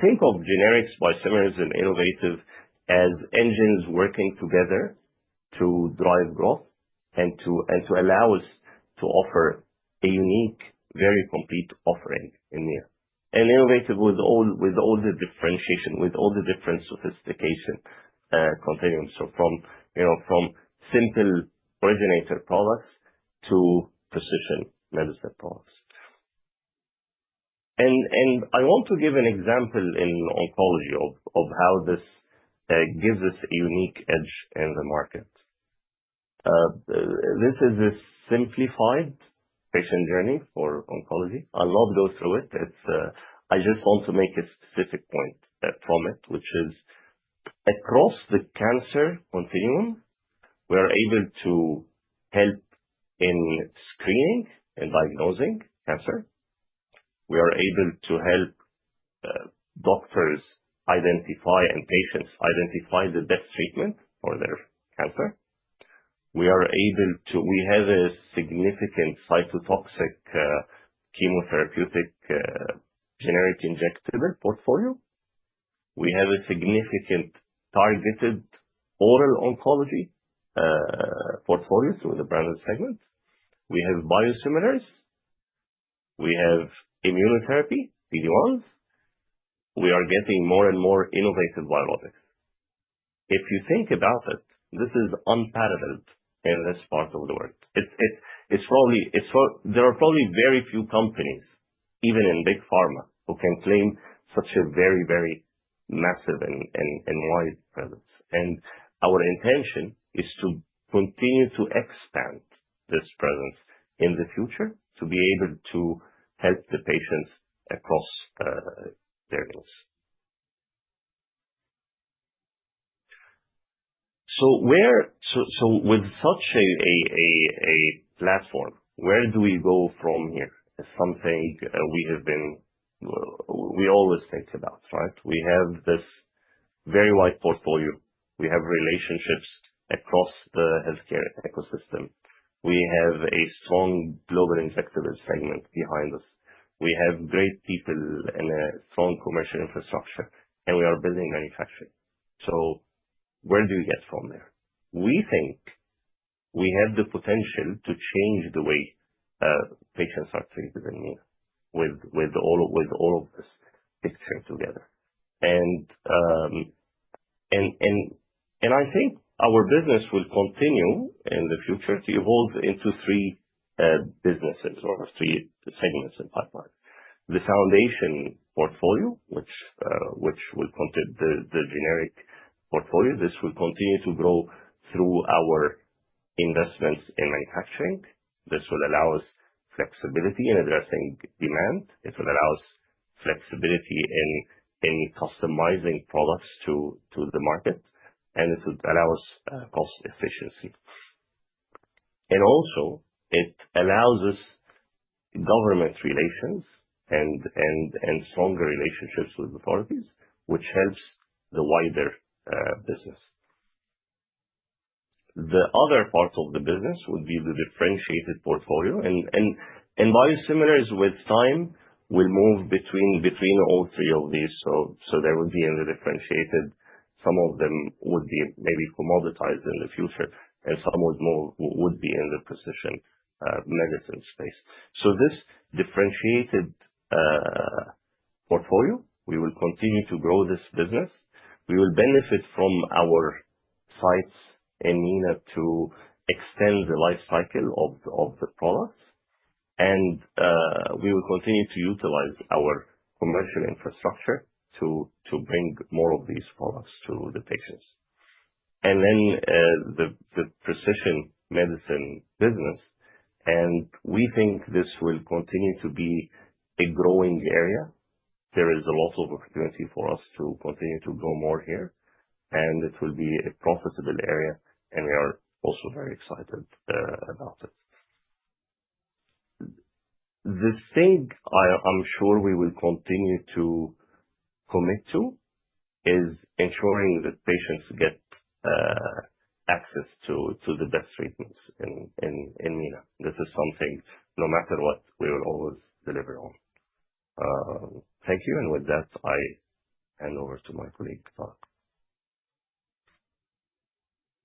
[SPEAKER 4] think of generics, biosimilars and innovative as engines working together to drive growth and to allow us to offer a unique, very complete offering in MENA. And innovative with all the differentiation, with all the different sophistication continuum. So, you know, from simple originated products to precision medicine products. And I want to give an example in oncology of how this gives us a unique edge in the market. This is a simplified patient journey for oncology. I'll not go through it. It's, I just want to make a specific point from it, which is across the cancer continuum, we are able to help in screening and diagnosing cancer. We are able to help doctors identify and patients identify the best treatment for their cancer. We are able to, we have a significant cytotoxic, chemotherapeutic, generic injectable portfolio. We have a significant targeted oral oncology portfolio through the branded segment. We have biosimilars. We have immunotherapy, PD-1s. We are getting more and more innovative biologics. If you think about it, this is unparalleled in this part of the world. It's probably there are probably very few companies, even in big pharma, who can claim such a very massive and wide presence. And our intention is to continue to expand this presence in the future to be able to help the patients across their needs. So with such a platform, where do we go from here? It's something we have been, we always think about, right? We have this very wide portfolio. We have relationships across the healthcare ecosystem. We have a strong global injectables segment behind us. We have great people and a strong commercial infrastructure, and we are building manufacturing. So where do we get from there? We think we have the potential to change the way patients are treated in MENA with all of this picture together. I think our business will continue in the future to evolve into three businesses or three segments and pipelines. The foundation portfolio, which will continue the generic portfolio, this will continue to grow through our investments in manufacturing. This will allow us flexibility in addressing demand. It will allow us flexibility in customizing products to the market, and it would allow us cost efficiency, and also it allows us government relations and stronger relationships with authorities, which helps the wider business. The other part of the business would be the differentiated portfolio, and biosimilars with time will move between all three of these, so there would be in the differentiated some of them would be maybe commoditized in the future, and some would be in the precision medicine space, so this differentiated portfolio we will continue to grow this business. We will benefit from our sites in MENA to extend the life cycle of the products, and we will continue to utilize our commercial infrastructure to bring more of these products to the patients. And then, the precision medicine business, and we think this will continue to be a growing area. There is a lot of opportunity for us to continue to grow more here, and it will be a profitable area. And we are also very excited about it. The thing I'm sure we will continue to commit to is ensuring that patients get access to the best treatments in MENA. This is something no matter what we will always deliver on. Thank you. And with that, I hand over to my colleague Tareq.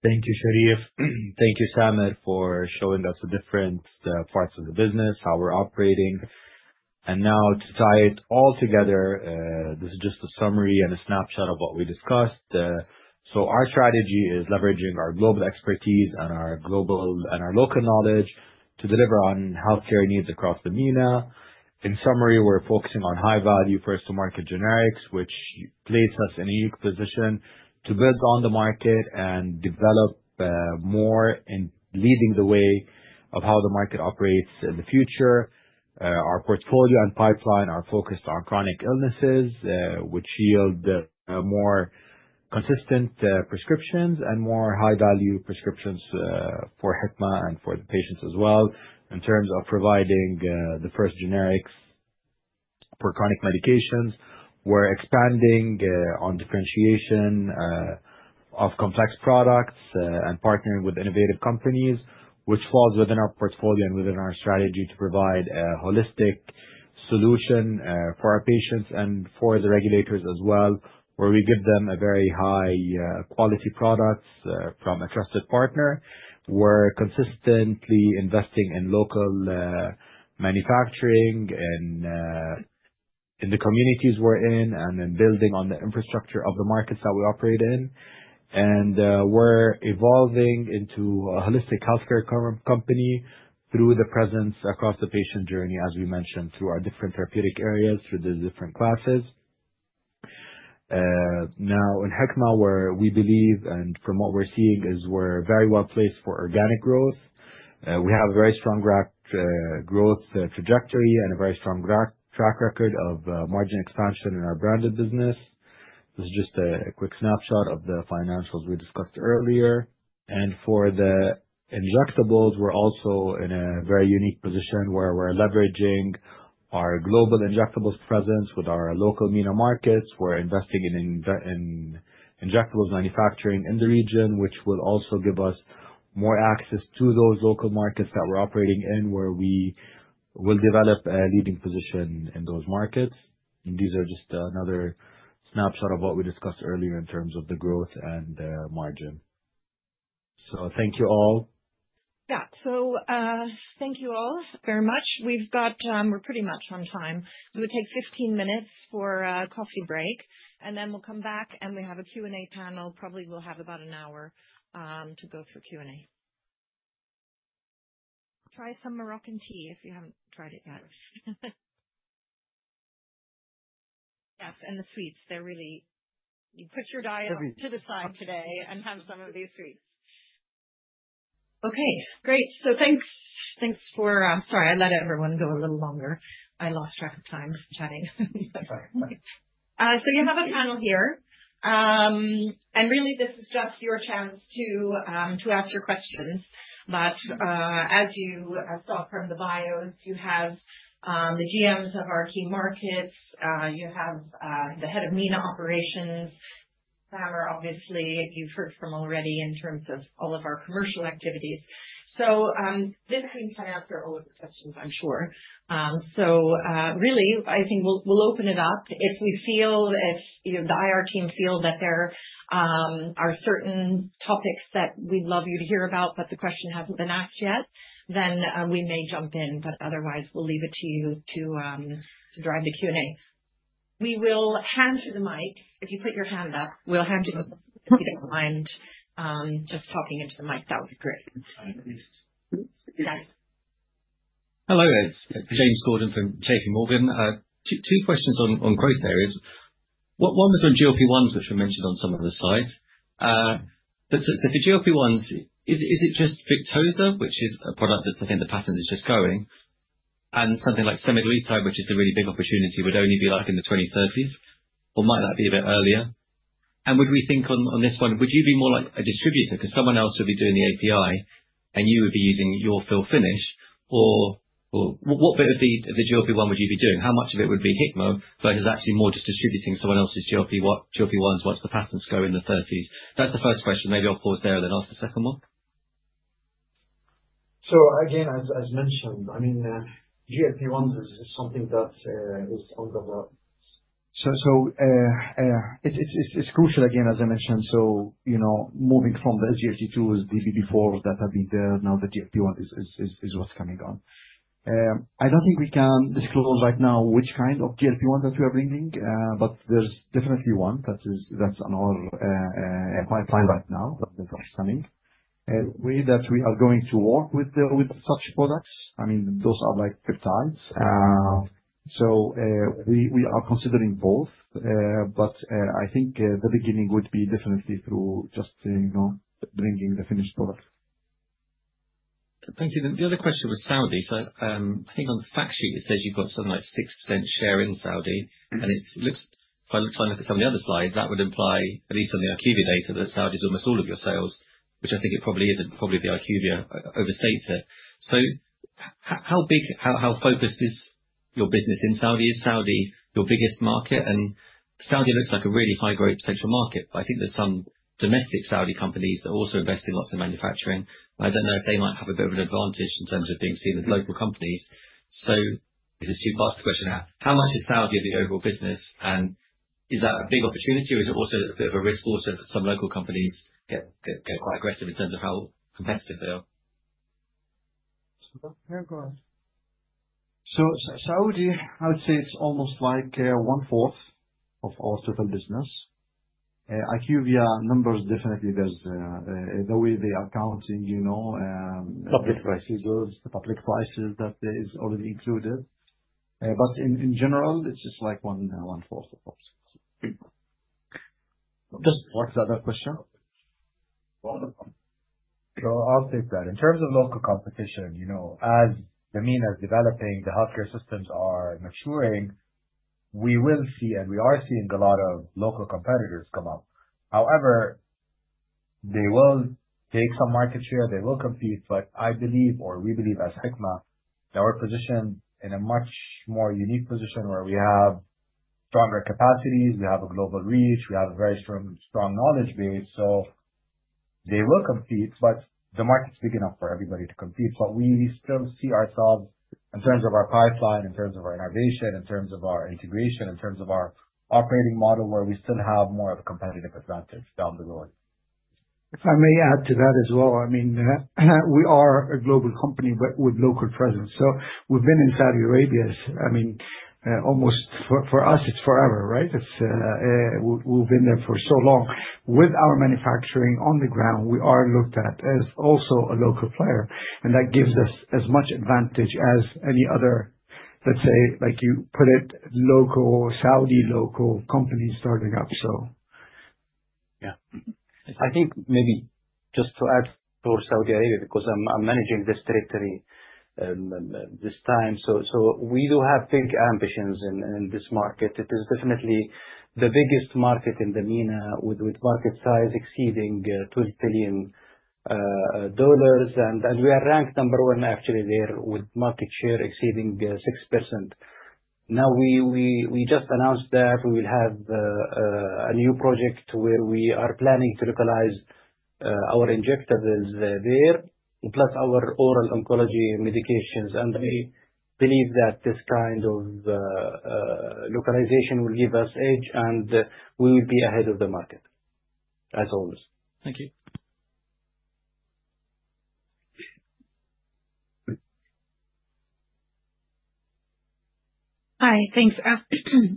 [SPEAKER 2] Thank you, Sherif. Thank you, Samer, for showing us the different parts of the business, how we're operating. And now to tie it all together, this is just a summary and a snapshot of what we discussed. So our strategy is leveraging our global expertise and our local knowledge to deliver on healthcare needs across the MENA. In summary, we're focusing on high value first to market generics, which places us in a unique position to build on the market and develop more in leading the way of how the market operates in the future. Our portfolio and pipeline are focused on chronic illnesses, which yield more consistent prescriptions and more high value prescriptions for Hikma and for the patients as well in terms of providing the first generics for chronic medications. We're expanding on differentiation of complex products and partnering with innovative companies, which falls within our portfolio and within our strategy to provide a holistic solution for our patients and for the regulators as well, where we give them very high quality products from a trusted partner. We're consistently investing in local manufacturing and in the communities we're in and in building on the infrastructure of the markets that we operate in. And we're evolving into a holistic healthcare company through the presence across the patient journey, as we mentioned, through our different therapeutic areas, through the different classes. Now in Hikma, where we believe, and from what we're seeing, is we're very well placed for organic growth. We have a very strong growth trajectory and a very strong track record of margin expansion in our branded business. This is just a quick snapshot of the financials we discussed earlier. And for the injectables, we're also in a very unique position where we're leveraging our global injectables presence with our local MENA markets. We're investing in injectables manufacturing in the region, which will also give us more access to those local markets that we're operating in, where we will develop a leading position in those markets. These are just another snapshot of what we discussed earlier in terms of the growth and the margin. Thank you all.
[SPEAKER 1] Yeah. Thank you all very much. We're pretty much on time. We take 15 minutes for a coffee break, and then we'll come back and we have a Q&A panel. Probably we'll have about an hour to go through Q&A. Try some Moroccan tea if you haven't tried it yet. Yes. The sweets, they're really. You put your diet to the side today and have some of these sweets. Okay. Great. Thanks. Thanks for... sorry, I let everyone go a little longer. I lost track of time chatting. Sorry. You have a panel here, and really this is just your chance to ask your questions. But as you saw from the bios, you have the GMs of our key markets. You have the head of MENA operations. Samer, obviously, you've heard from already in terms of all of our commercial activities. So this team can answer all of the questions, I'm sure. So really I think we'll open it up. If we feel, you know, the IR team feel that there are certain topics that we'd love you to hear about, but the question hasn't been asked yet, then we may jump in. But otherwise, we'll leave it to you to drive the Q&A. We will hand you the mic. If you put your hand up, we'll hand you the mic if you don't mind, just talking into the mic. That would be great.
[SPEAKER 5] Hello. It's James Gordon from JPMorgan. Two questions on growth areas. One was on GLP-1s, which were mentioned on some of the slides. But the GLP-1s, is it just Victoza, which is a product that I think the patent is just going, and something like semaglutide, which is a really big opportunity, would only be like in the 2030s? Or might that be a bit earlier? And would we think on this one, would you be more like a distributor? 'Cause someone else would be doing the API and you would be using your fill finish or what bit of the GLP-1 would you be doing? How much of it would be Hikma versus actually more just distributing someone else's GLP-1s once the patents go in the 30s? That's the first question. Maybe I'll pause there and then ask the second one.
[SPEAKER 3] So again, as mentioned, I mean, GLP-1s is something that is on the. So, it's crucial again, as I mentioned. So, you know, moving from the SGLT2s, DPP-4s that have been there, now the GLP-1 is what's coming on. I don't think we can disclose right now which kind of GLP-1 that we are bringing, but there's definitely one that is that's on our pipeline right now that is coming. Way that we are going to work with such products. I mean, those are like peptides. We are considering both, but I think the beginning would be definitely through just, you know, bringing the finished product.
[SPEAKER 5] Thank you. The other question was Saudi. I think on the fact sheet it says you've got something like 6% share in Saudi, and it looks if I look at some of the other slides, that would imply at least on the IQVIA data that Saudi is almost all of your sales, which I think it probably isn't. Probably the IQVIA overstates it. So how big, how focused is your business in Saudi? Is Saudi your biggest market? And Saudi looks like a really high growth potential market, but I think there's some domestic Saudi companies that are also investing in lots of manufacturing. I don't know if they might have a bit of an advantage in terms of being seen as local companies. Is to ask the question now, how much is Saudi of the overall business? Is that a big opportunity or is it also a bit of a risk that some local companies get quite aggressive in terms of how competitive they are?
[SPEAKER 3] Saudi, I would say it's almost like one fourth of our total business. IQVIA numbers definitely there's the way they are counting, you know, public prices, the public prices that is already included. But in general, it's just like one fourth of us. Just what's the other question?
[SPEAKER 2] I'll take that. In terms of local competition, you know, as the MENA's developing, the healthcare systems are maturing, we will see, and we are seeing a lot of local competitors come up. However, they will take some market share, they will compete, but I believe, or we believe as Hikma, that we're positioned in a much more unique position where we have stronger capacities, we have a global reach, we have a very strong, strong knowledge base. So they will compete, but the market's big enough for everybody to compete. But we, we still see ourselves in terms of our pipeline, in terms of our innovation, in terms of our integration, in terms of our operating model, where we still have more of a competitive advantage down the road.
[SPEAKER 6] If I may add to that as well, I mean, we are a global company but with local presence. So we've been in Saudi Arabia. I mean, almost for us, it's forever, right? It's. We've been there for so long with our manufacturing on the ground. We are looked at as also a local player, and that gives us as much advantage as any other, let's say, like you put it, local Saudi, local companies starting up.
[SPEAKER 7] So, yeah, I think maybe just to add for Saudi Arabia, because I'm managing this territory, this time. So we do have big ambitions in this market. It is definitely the biggest market in the MENA with market size exceeding $20 billion. And we are ranked number one actually there with market share exceeding 6%. Now we just announced that we will have a new project where we are planning to localize our injectables there, plus our oral oncology medications. And we believe that this kind of localization will give us an edge and we will be ahead of the market as always.
[SPEAKER 5] Thank you.
[SPEAKER 8] Hi. Thanks.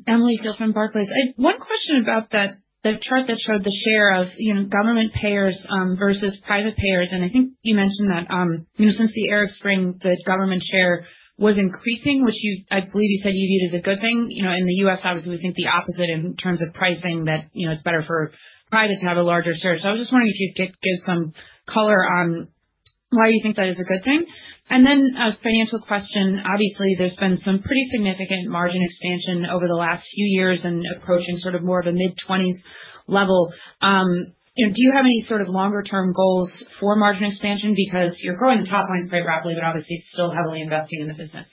[SPEAKER 8] Emily Field from Barclays. I had one question about that, the chart that showed the share of, you know, government payers, versus private payers. And I think you mentioned that, you know, since the Arab Spring, the government share was increasing, which you, I believe you said you viewed as a good thing. You know, in the U.S., obviously we think the opposite in terms of pricing that, you know, it's better for private to have a larger share. So I was just wondering if you could give some color on why you think that is a good thing. And then a financial question. Obviously, there's been some pretty significant margin expansion over the last few years and approaching sort of more of a mid-20s level. You know, do you have any sort of longer-term goals for margin expansion because you're growing the top line quite rapidly, but obviously still heavily investing in the business?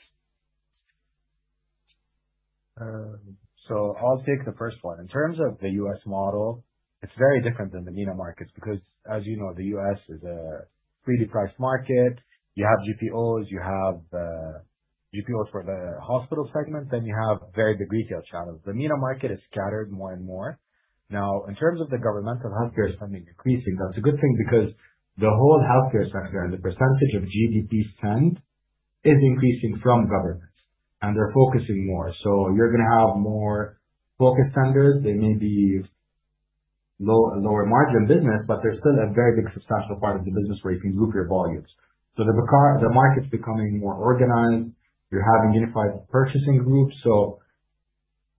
[SPEAKER 2] So I'll take the first one. In terms of the U.S. model, it's very different than the MENA markets because, as you know, the U.S. is a freely priced market. You have GPOs, you have, GPOs for the hospital segment, then you have very big retail channels. The MENA market is scattered more and more. Now, in terms of the governmental healthcare spending increasing, that's a good thing because the whole healthcare sector and the percentage of GDP spend is increasing from government and they're focusing more. So you're gonna have more focused vendors. They may be low, lower margin business, but they're still a very big substantial part of the business where you can group your volumes. So the market's becoming more organized. You're having unified purchasing groups. So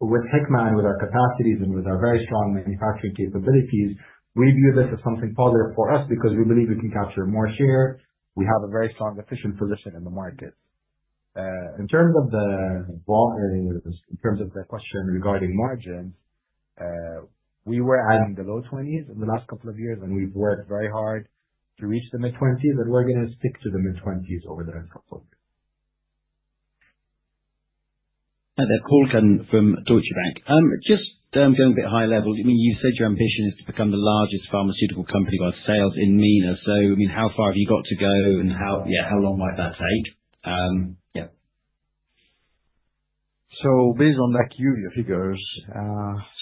[SPEAKER 2] with Hikma and with our capacities and with our very strong manufacturing capabilities, we view this as something positive for us because we believe we can capture more share. We have a very strong, efficient position in the market. In terms of the question regarding margins, we were in the low 20s in the last couple of years and we've worked very hard to reach the mid-20s, but we're gonna stick to the mid-20s over the next couple of years.
[SPEAKER 9] And Paul Cuddon from Deutsche Bank. Just going a bit high level, I mean, you said your ambition is to become the largest pharmaceutical company by sales in MENA. So, I mean, how far have you got to go and how, yeah, how long might that take? Yeah.
[SPEAKER 3] So based on the IQVIA figures,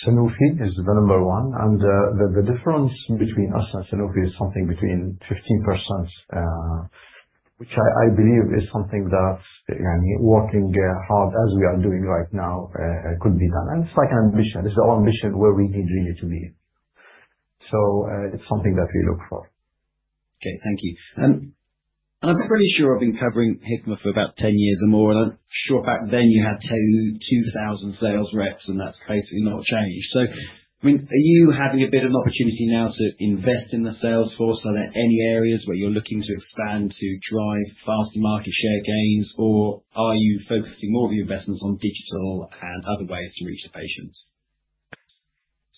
[SPEAKER 3] Sanofi is the number one. And the difference between us and Sanofi is something between 15%, which I believe is something that, I mean, working hard as we are doing right now, could be done. And it's like an ambition. It's the whole ambition where we need really to be. So, it's something that we look for.
[SPEAKER 9] Okay. Thank you. And I'm pretty sure I've been covering Hikma for about 10 years or more, and I'm sure back then you had 2,000 sales reps, and that's basically not changed. So, I mean, are you having a bit of an opportunity now to invest in the sales force? Are there any areas where you're looking to expand to drive faster market share gains, or are you focusing more of your investments on digital and other ways to reach the patients?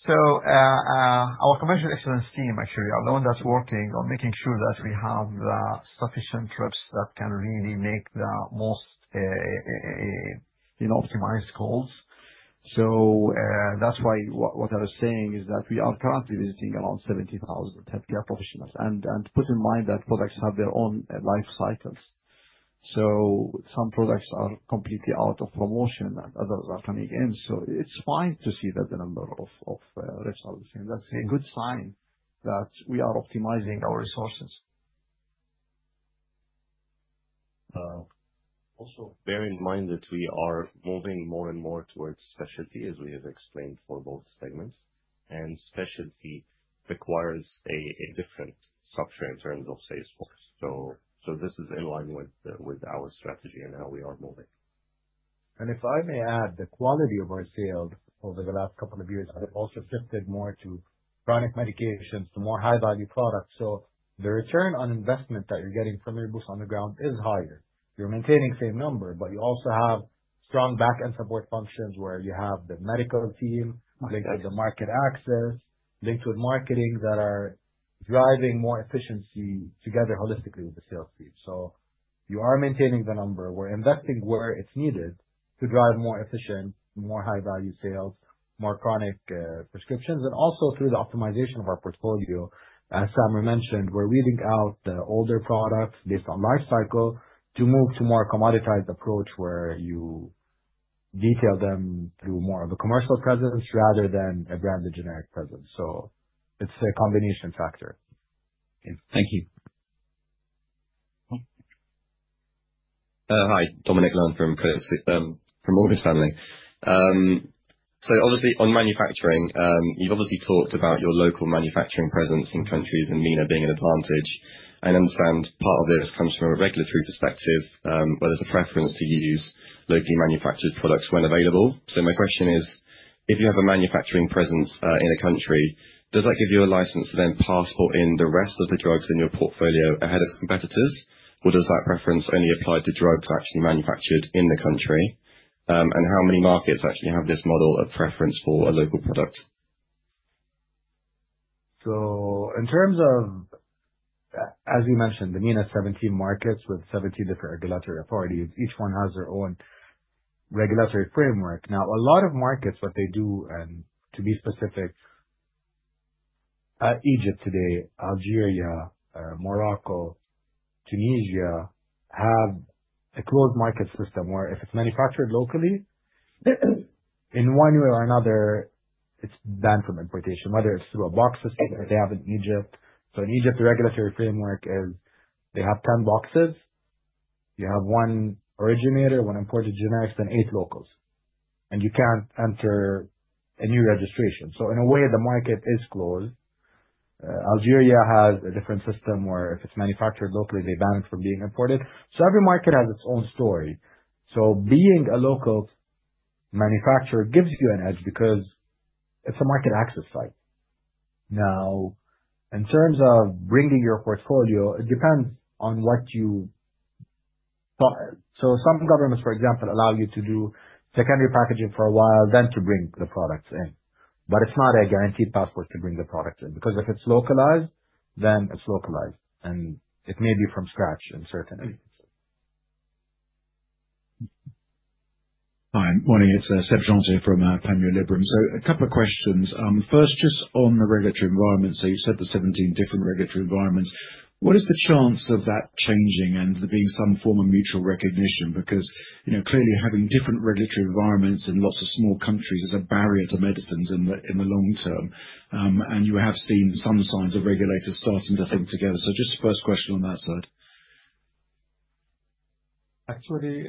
[SPEAKER 3] So, our commercial excellence team, actually, are the ones that's working on making sure that we have the sufficient reps that can really make the most, you know, optimized calls. So, that's why what I was saying is that we are currently visiting around 70,000 healthcare professionals. And put in mind that products have their own life cycles. So some products are completely out of promotion and others are coming in. So it's fine to see that the number of reps are the same. That's a good sign that we are optimizing our resources.
[SPEAKER 4] Also bear in mind that we are moving more and more towards specialty as we have explained for both segments. And specialty requires a different structure in terms of sales force. So this is in line with our strategy and how we are moving.
[SPEAKER 2] And if I may add, the quality of our sales over the last couple of years has also shifted more to chronic medications, to more high-value products. So the return on investment that you're getting from your boots on the ground is higher. You're maintaining the same number, but you also have strong backend support functions where you have the medical team linked with the market access, linked with marketing that are driving more efficiency together holistically with the sales team. So you are maintaining the number. We're investing where it's needed to drive more efficient, more high-value sales, more chronic prescriptions. And also through the optimization of our portfolio, as Sam mentioned, we're weeding out the older products based on life cycle to move to a more commoditized approach where you detail them through more of a commercial presence rather than a branded generic presence. So it's a combination factor.
[SPEAKER 9] Thank you.
[SPEAKER 10] Hi, Dominic Lunn, from Morgan Stanley. So obviously on manufacturing, you've obviously talked about your local manufacturing presence in countries and MENA being an advantage. I understand part of this comes from a regulatory perspective, where there's a preference to use locally manufactured products when available. So my question is, if you have a manufacturing presence in a country, does that give you a license to then passport in the rest of the drugs in your portfolio ahead of competitors, or does that preference only apply to drugs actually manufactured in the country? And how many markets actually have this model of preference for a local product?
[SPEAKER 2] So in terms of, as you mentioned, the MENA 17 markets with 17 different regulatory authorities, each one has their own regulatory framework. Now, a lot of markets, what they do, and to be specific, Egypt today, Algeria, Morocco, Tunisia have a closed market system where if it's manufactured locally, in one way or another, it's banned from importation, whether it's through a box system that they have in Egypt. So in Egypt, the regulatory framework is they have 10 boxes, you have one originator, one imported generics, then eight locals, and you can't enter a new registration. So in a way, the market is closed. Algeria has a different system where if it's manufactured locally, they ban it from being imported. So every market has its own story. So being a local manufacturer gives you an edge because it's a market access site. Now, in terms of bringing your portfolio, it depends on what you thought. So some governments, for example, allow you to do secondary packaging for a while, then to bring the products in. But it's not a guaranteed passport to bring the product in because if it's localized, then it's localized and it may be from scratch in certain areas.
[SPEAKER 11] Hi, morning. It's Seb Jantet from Panmure Liberum. So a couple of questions. First, just on the regulatory environment. So you said there's 17 different regulatory environments. What is the chance of that changing and there being some form of mutual recognition? Because, you know, clearly having different regulatory environments in lots of small countries is a barrier to medicines in the long term. And you have seen some signs of regulators starting to think together. So just the first question on that side.
[SPEAKER 12] Actually,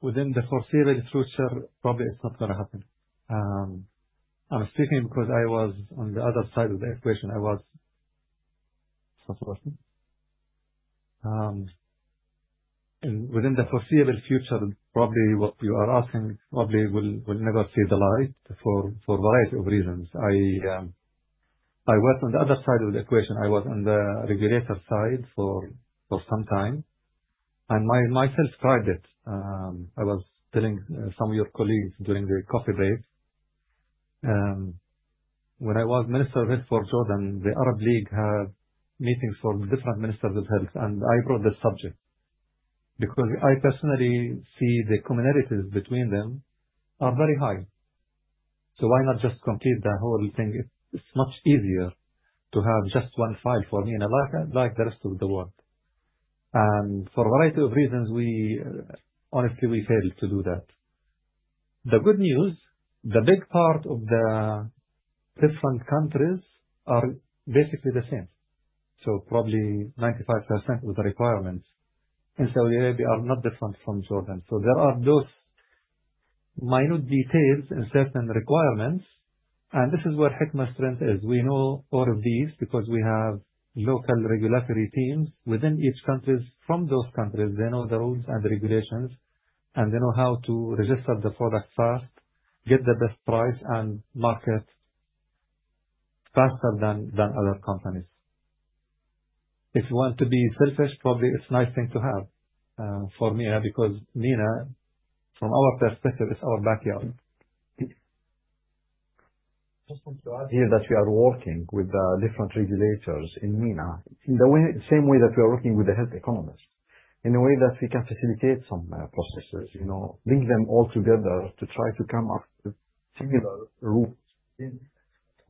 [SPEAKER 12] within the foreseeable future, probably it's not gonna happen. I'm speaking because I was on the other side of the equation. Within the foreseeable future, probably what you are asking will never see the light for a variety of reasons. I was on the other side of the equation. I was on the regulator side for some time, and myself tried it. I was telling some of your colleagues during the coffee break, when I was Minister of Health for Jordan, the Arab League had meetings for different ministers of health, and I brought this subject because I personally see the commonalities between them are very high. So why not just complete the whole thing? It's much easier to have just one file for me and, like, the rest of the world. And for a variety of reasons, we, honestly, we failed to do that. The good news, the big part of the different countries are basically the same. So probably 95% of the requirements in Saudi Arabia are not different from Jordan. So there are those minor details in certain requirements. And this is where Hikma's strength is. We know all of these because we have local regulatory teams within each country from those countries. They know the rules and the regulations, and they know how to register the product fast, get the best price and market faster than other companies. If you want to be selfish, probably it's a nice thing to have, for MENA because MENA, from our perspective, is our backyard.
[SPEAKER 3] Just want to add here that we are working with different regulators in MENA in the same way that we are working with the health economists in a way that we can facilitate some processes, you know, bring them all together to try to come up with similar routes in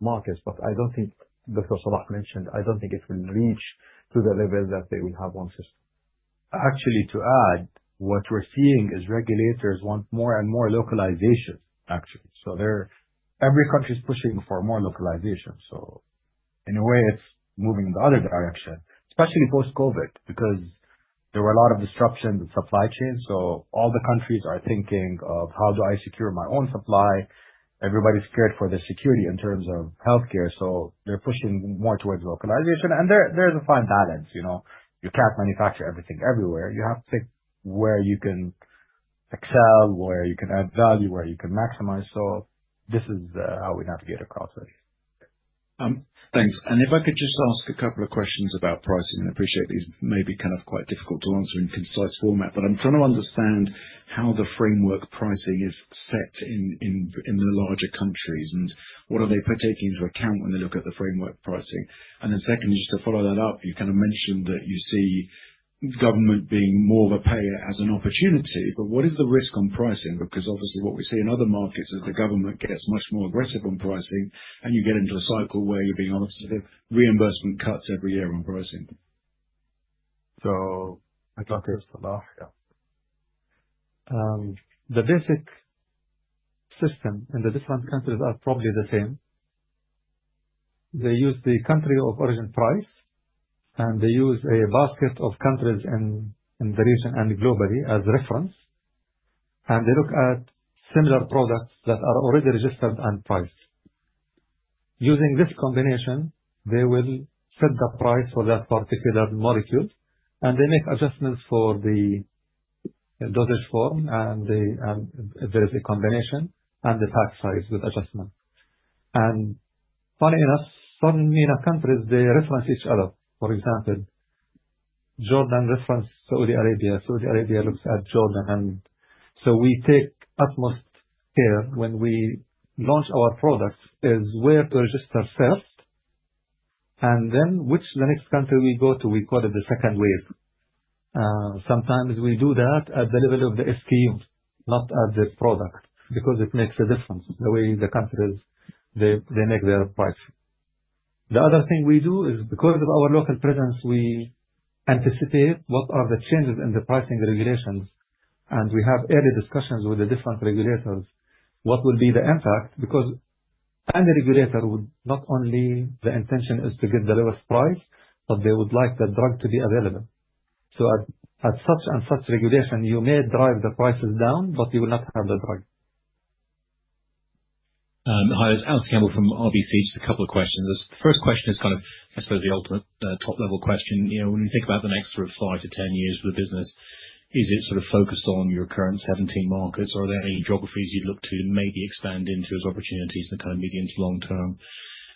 [SPEAKER 3] markets. But I don't think, Dr. Salah mentioned, I don't think it will reach to the level that they will have once it's. Actually, to add, what we're seeing is regulators want more and more localization, actually. So they're every country's pushing for more localization. So in a way, it's moving in the other direction, especially post-COVID, because there were a lot of disruptions in supply chains. So all the countries are thinking of how do I secure my own supply? Everybody's cared for the security in terms of healthcare. So they're pushing more towards localization. There, there's a fine balance, you know. You can't manufacture everything everywhere. You have to think where you can excel, where you can add value, where you can maximize. So this is how we navigate across it.
[SPEAKER 11] Thanks. If I could just ask a couple of questions about pricing, and I appreciate these may be kind of quite difficult to answer in concise format, but I'm trying to understand how the framework pricing is set in the larger countries and what they are taking into account when they look at the framework pricing. Then, secondly, just to follow that up, you kind of mentioned that you see government being more of a payer as an opportunity, but what is the risk on pricing? Because obviously what we see in other markets is the government gets much more aggressive on pricing and you get into a cycle where you're being obviously reimbursement cuts every year on pricing.
[SPEAKER 2] So I can't say, yeah. The basic system in the different countries are probably the same. They use the country of origin price, and they use a basket of countries in the region and globally as reference. And they look at similar products that are already registered and priced. Using this combination, they will set the price for that particular molecule, and they make adjustments for the dosage form, and there is a combination and the pack size with adjustment. And funny enough, some MENA countries, they reference each other. For example, Jordan reference Saudi Arabia. Saudi Arabia looks at Jordan. And so we take utmost care when we launch our products [on] where to register first, and then which the next country we go to. We call it the second wave. Sometimes we do that at the level of the SKU, not at the product, because it makes a difference the way the countries, they make their pricing. The other thing we do is because of our local presence, we anticipate what are the changes in the pricing regulations, and we have early discussions with the different regulators on what will be the impact, because any regulator would not only the intention is to get the lowest price, but they would like the drug to be available. So at such and such regulation, you may drive the prices down, but you will not have the drug.
[SPEAKER 13] Hi, it's Alistair Campbell from RBC. Just a couple of questions. The first question is kind of, I suppose, the ultimate, top level question. You know, when you think about the next sort of five to 10 years for the business, is it sort of focused on your current 17 markets, or are there any geographies you'd look to maybe expand into as opportunities in the kind of medium to long term?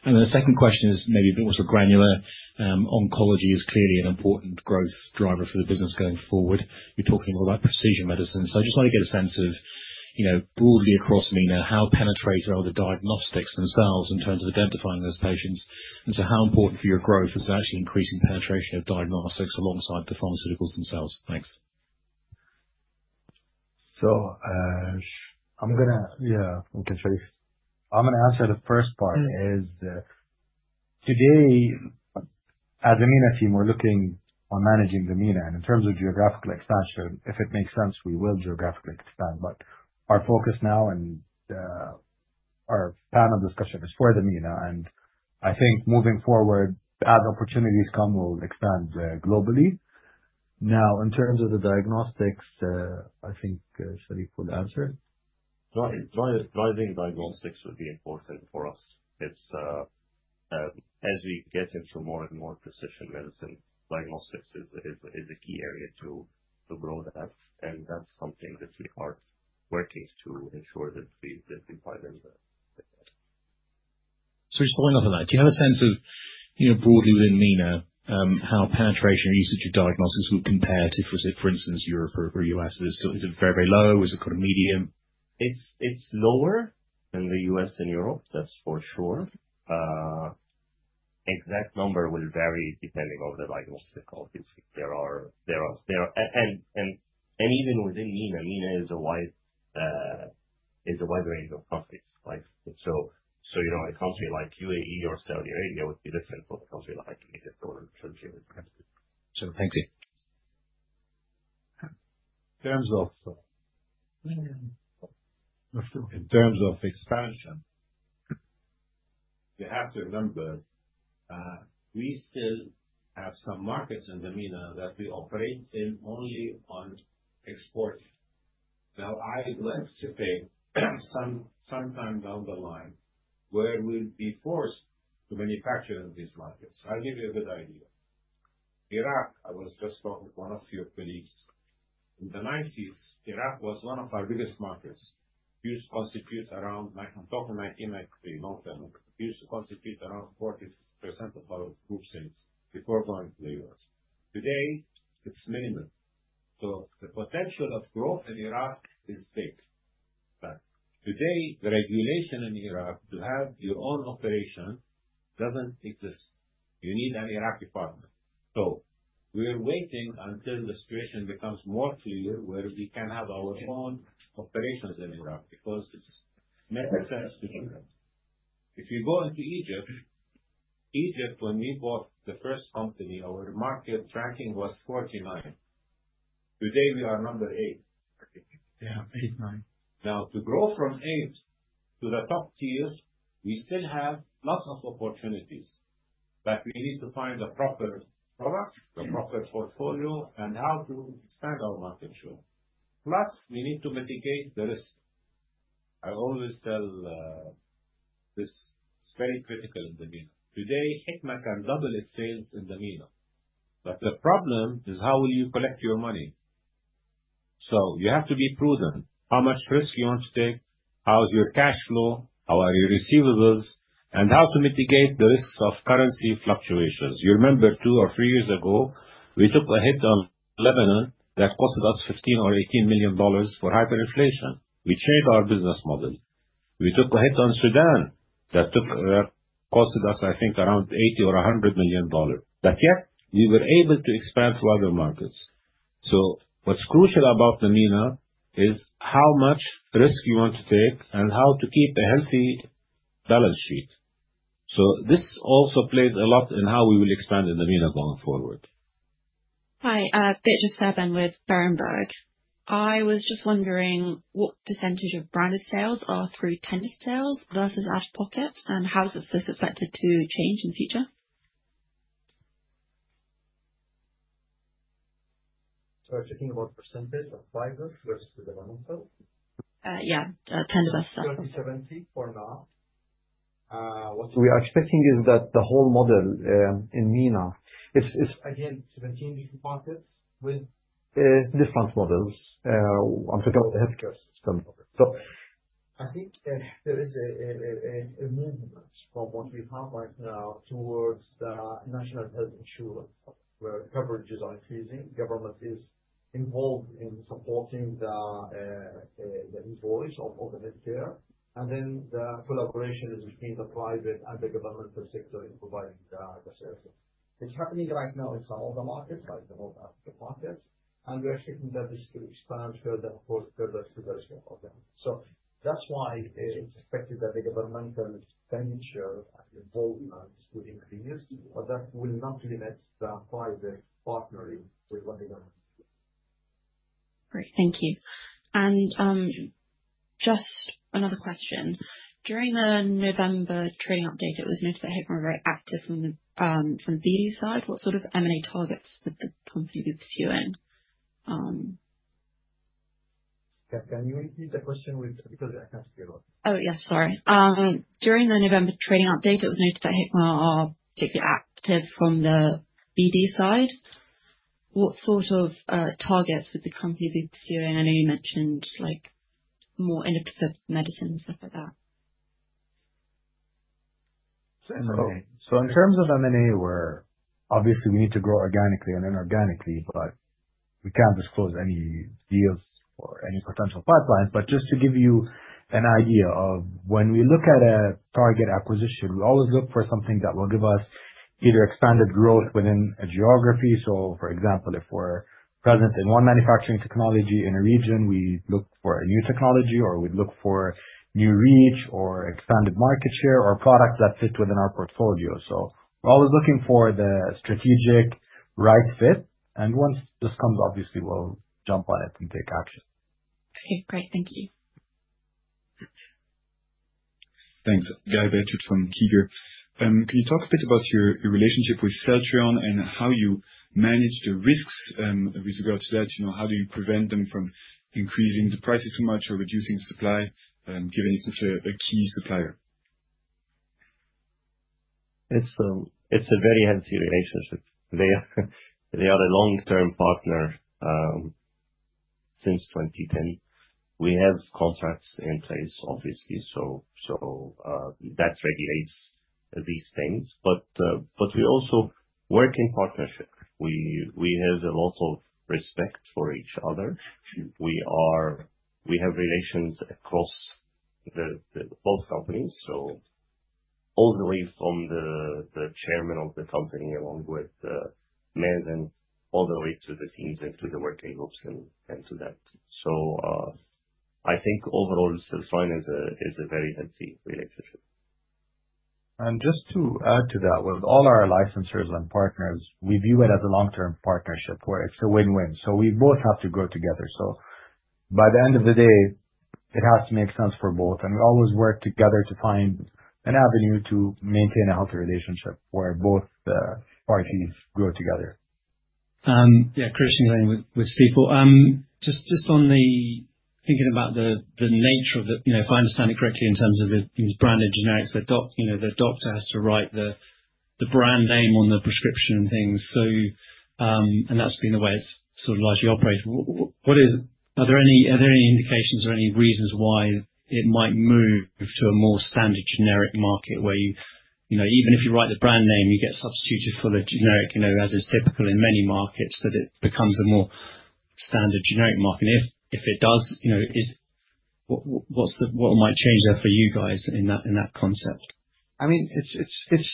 [SPEAKER 13] And then the second question is maybe a bit more sort of granular. Oncology is clearly an important growth driver for the business going forward. We're talking a lot about precision medicine. So I just want to get a sense of, you know, broadly across MENA, how penetrated are the diagnostics themselves in terms of identifying those patients? And so how important for your growth is actually increasing penetration of diagnostics alongside the pharmaceuticals themselves? Thanks.
[SPEAKER 2] I'm gonna answer the first part. Today, as a MENA team, we're looking on managing the MENA. And in terms of geographical expansion, if it makes sense, we will geographically expand. But our focus now, our panel discussion is for the MENA. And I think moving forward, as opportunities come, we'll expand globally. Now, in terms of the diagnostics, I think Sherif will answer.
[SPEAKER 4] Driving diagnostics would be important for us. It's, as we get into more and more precision medicine, diagnostics is a key area to grow that. And that's something that we are working to ensure that we buy into that.
[SPEAKER 13] So just following up on that, do you have a sense of, you know, broadly within MENA, how penetration or usage of diagnostics would compare to, for instance, Europe or U.S.? Is it still very, very low? Is it kind of medium?
[SPEAKER 4] It's lower than the U.S. and Europe. That's for sure. The exact number will vary depending on the diagnostic output. There are even within MENA, MENA is a wide range of countries, right? So you know, a country like U.A.E. or Saudi Arabia would be different from a country like Egypt or Turkey.
[SPEAKER 13] Sure. Thank you.
[SPEAKER 14] In terms of expansion, you have to remember, we still have some markets in the MENA that we operate in only on export. Now, I'd like to think, sometime down the line, we'll be forced to manufacture in these markets. I'll give you a good idea. Iraq, I was just talking to one of your colleagues in the nineties. Iraq was one of our biggest markets. Huge, it used to constitute around, I'm talking 1993, long time, used to constitute around 40% of our group sales before going to the U.S. Today, it's minimal. So the potential of growth in Iraq is big. But today, the regulation in Iraq to have your own operation doesn't exist. You need an Iraqi partner. So we are waiting until the situation becomes more clear where we can have our own operations in Iraq because it makes sense to do that. If you go into Egypt, Egypt, when we bought the first company, our market ranking was 49. Today, we are number eight. Yeah, eight, nine. Now, to grow from eight to the top tiers, we still have lots of opportunities, but we need to find a proper product, a proper portfolio, and how to expand our market share. Plus, we need to mitigate the risk. I always tell, this is very critical in the MENA. Today, Hikma can double its sales in the MENA, but the problem is how will you collect your money? So you have to be prudent. How much risk you want to take? How's your cash flow? How are your receivables? And how to mitigate the risks of currency fluctuations? You remember two or three years ago, we took a hit on Lebanon that costed us $15 million-$18 million for hyperinflation. We changed our business model. We took a hit on Sudan that took, costed us, I think, around $80 million or $100 million. But yet we were able to expand to other markets. So what's crucial about the MENA is how much risk you want to take and how to keep a healthy balance sheet. So this also plays a lot in how we will expand in the MENA going forward.
[SPEAKER 15] Hi, Bita Sorouri with Berenberg. I was just wondering what percentage of branded sales are through tender sales versus out of pocket, and how is this expected to change in the future?
[SPEAKER 2] So are you talking about percentage of prices versus the development?
[SPEAKER 15] Yeah, tender sales for now.
[SPEAKER 3] That is 30/70 for now. What we are expecting is that the whole model in MENA. It's again 17 different markets with different models. I'm talking about the healthcare system. So I think there is a movement from what we have right now towards the national health insurance where coverages are increasing. Government is involved in supporting the employees of the healthcare. And then the collaboration is between the private and the governmental sector in providing the service. It's happening right now in some of the markets, like the North African markets, and we are expecting this to expand further to the rest of them. So that's why it's expected that the governmental expenditure and involvement will increase, but that will not limit the private partnering with what they're going to do.
[SPEAKER 15] Great. Thank you. And, just another question. During the November trading update, it was noted that Hikma were very active from the BD side. What sort of M&A targets would the company be pursuing?
[SPEAKER 2] Can you repeat the question, because I can't hear you?
[SPEAKER 15] Oh, yes, sorry. During the November trading update, it was noted that Hikma are particularly active from the BD side. What sort of targets would the company be pursuing? I know you mentioned like more innovative medicine and stuff like that.
[SPEAKER 2] So, so in terms of M&A, we're obviously we need to grow organically and inorganically, but we can't disclose any deals or any potential pipelines. But just to give you an idea of when we look at a target acquisition, we always look for something that will give us either expanded growth within a geography. So, for example, if we're present in one manufacturing technology in a region, we look for a new technology, or we'd look for new reach or expanded market share or products that fit within our portfolio. So we're always looking for the strategic right fit. And once this comes, obviously we'll jump on it and take action.
[SPEAKER 15] Okay, great. Thank you.
[SPEAKER 16] Thanks. Guy Wiehahn from Kepler Cheuvreux, can you talk a bit about your relationship with Celltrion and how you manage the risks with regards to that? You know, how do you prevent them from increasing the prices too much or reducing the supply, given it's such a key supplier?
[SPEAKER 4] It's a very healthy relationship. They are a long-term partner, since 2010. We have contracts in place, obviously. So, that regulates these things. But, we also work in partnership. We have a lot of respect for each other. We have relations across the both companies. So all the way from the chairman of the company, along with management, and all the way to the teams and to the working groups and to that. So, I think overall Celltrion is a very healthy relationship.
[SPEAKER 2] And just to add to that, with all our licensors and partners, we view it as a long-term partnership where it's a win-win. So we both have to grow together. So by the end of the day, it has to make sense for both. And we always work together to find an avenue to maintain a healthy relationship where both parties grow together.
[SPEAKER 17] Yeah, Christian Glennie with Stifel. Just on the thinking about the nature of the, you know, if I understand it correctly in terms of the these branded generics, the doc, you know, the doctor has to write the brand name on the prescription and things. So, and that's been the way it's sort of largely operated. Are there any indications or any reasons why it might move to a more standard generic market where, you know, even if you write the brand name, you get substituted for the generic, you know, as is typical in many markets, that it becomes a more standard generic market? And if it does, you know, what's the, what might change there for you guys in that, in that concept?
[SPEAKER 3] I mean, it's,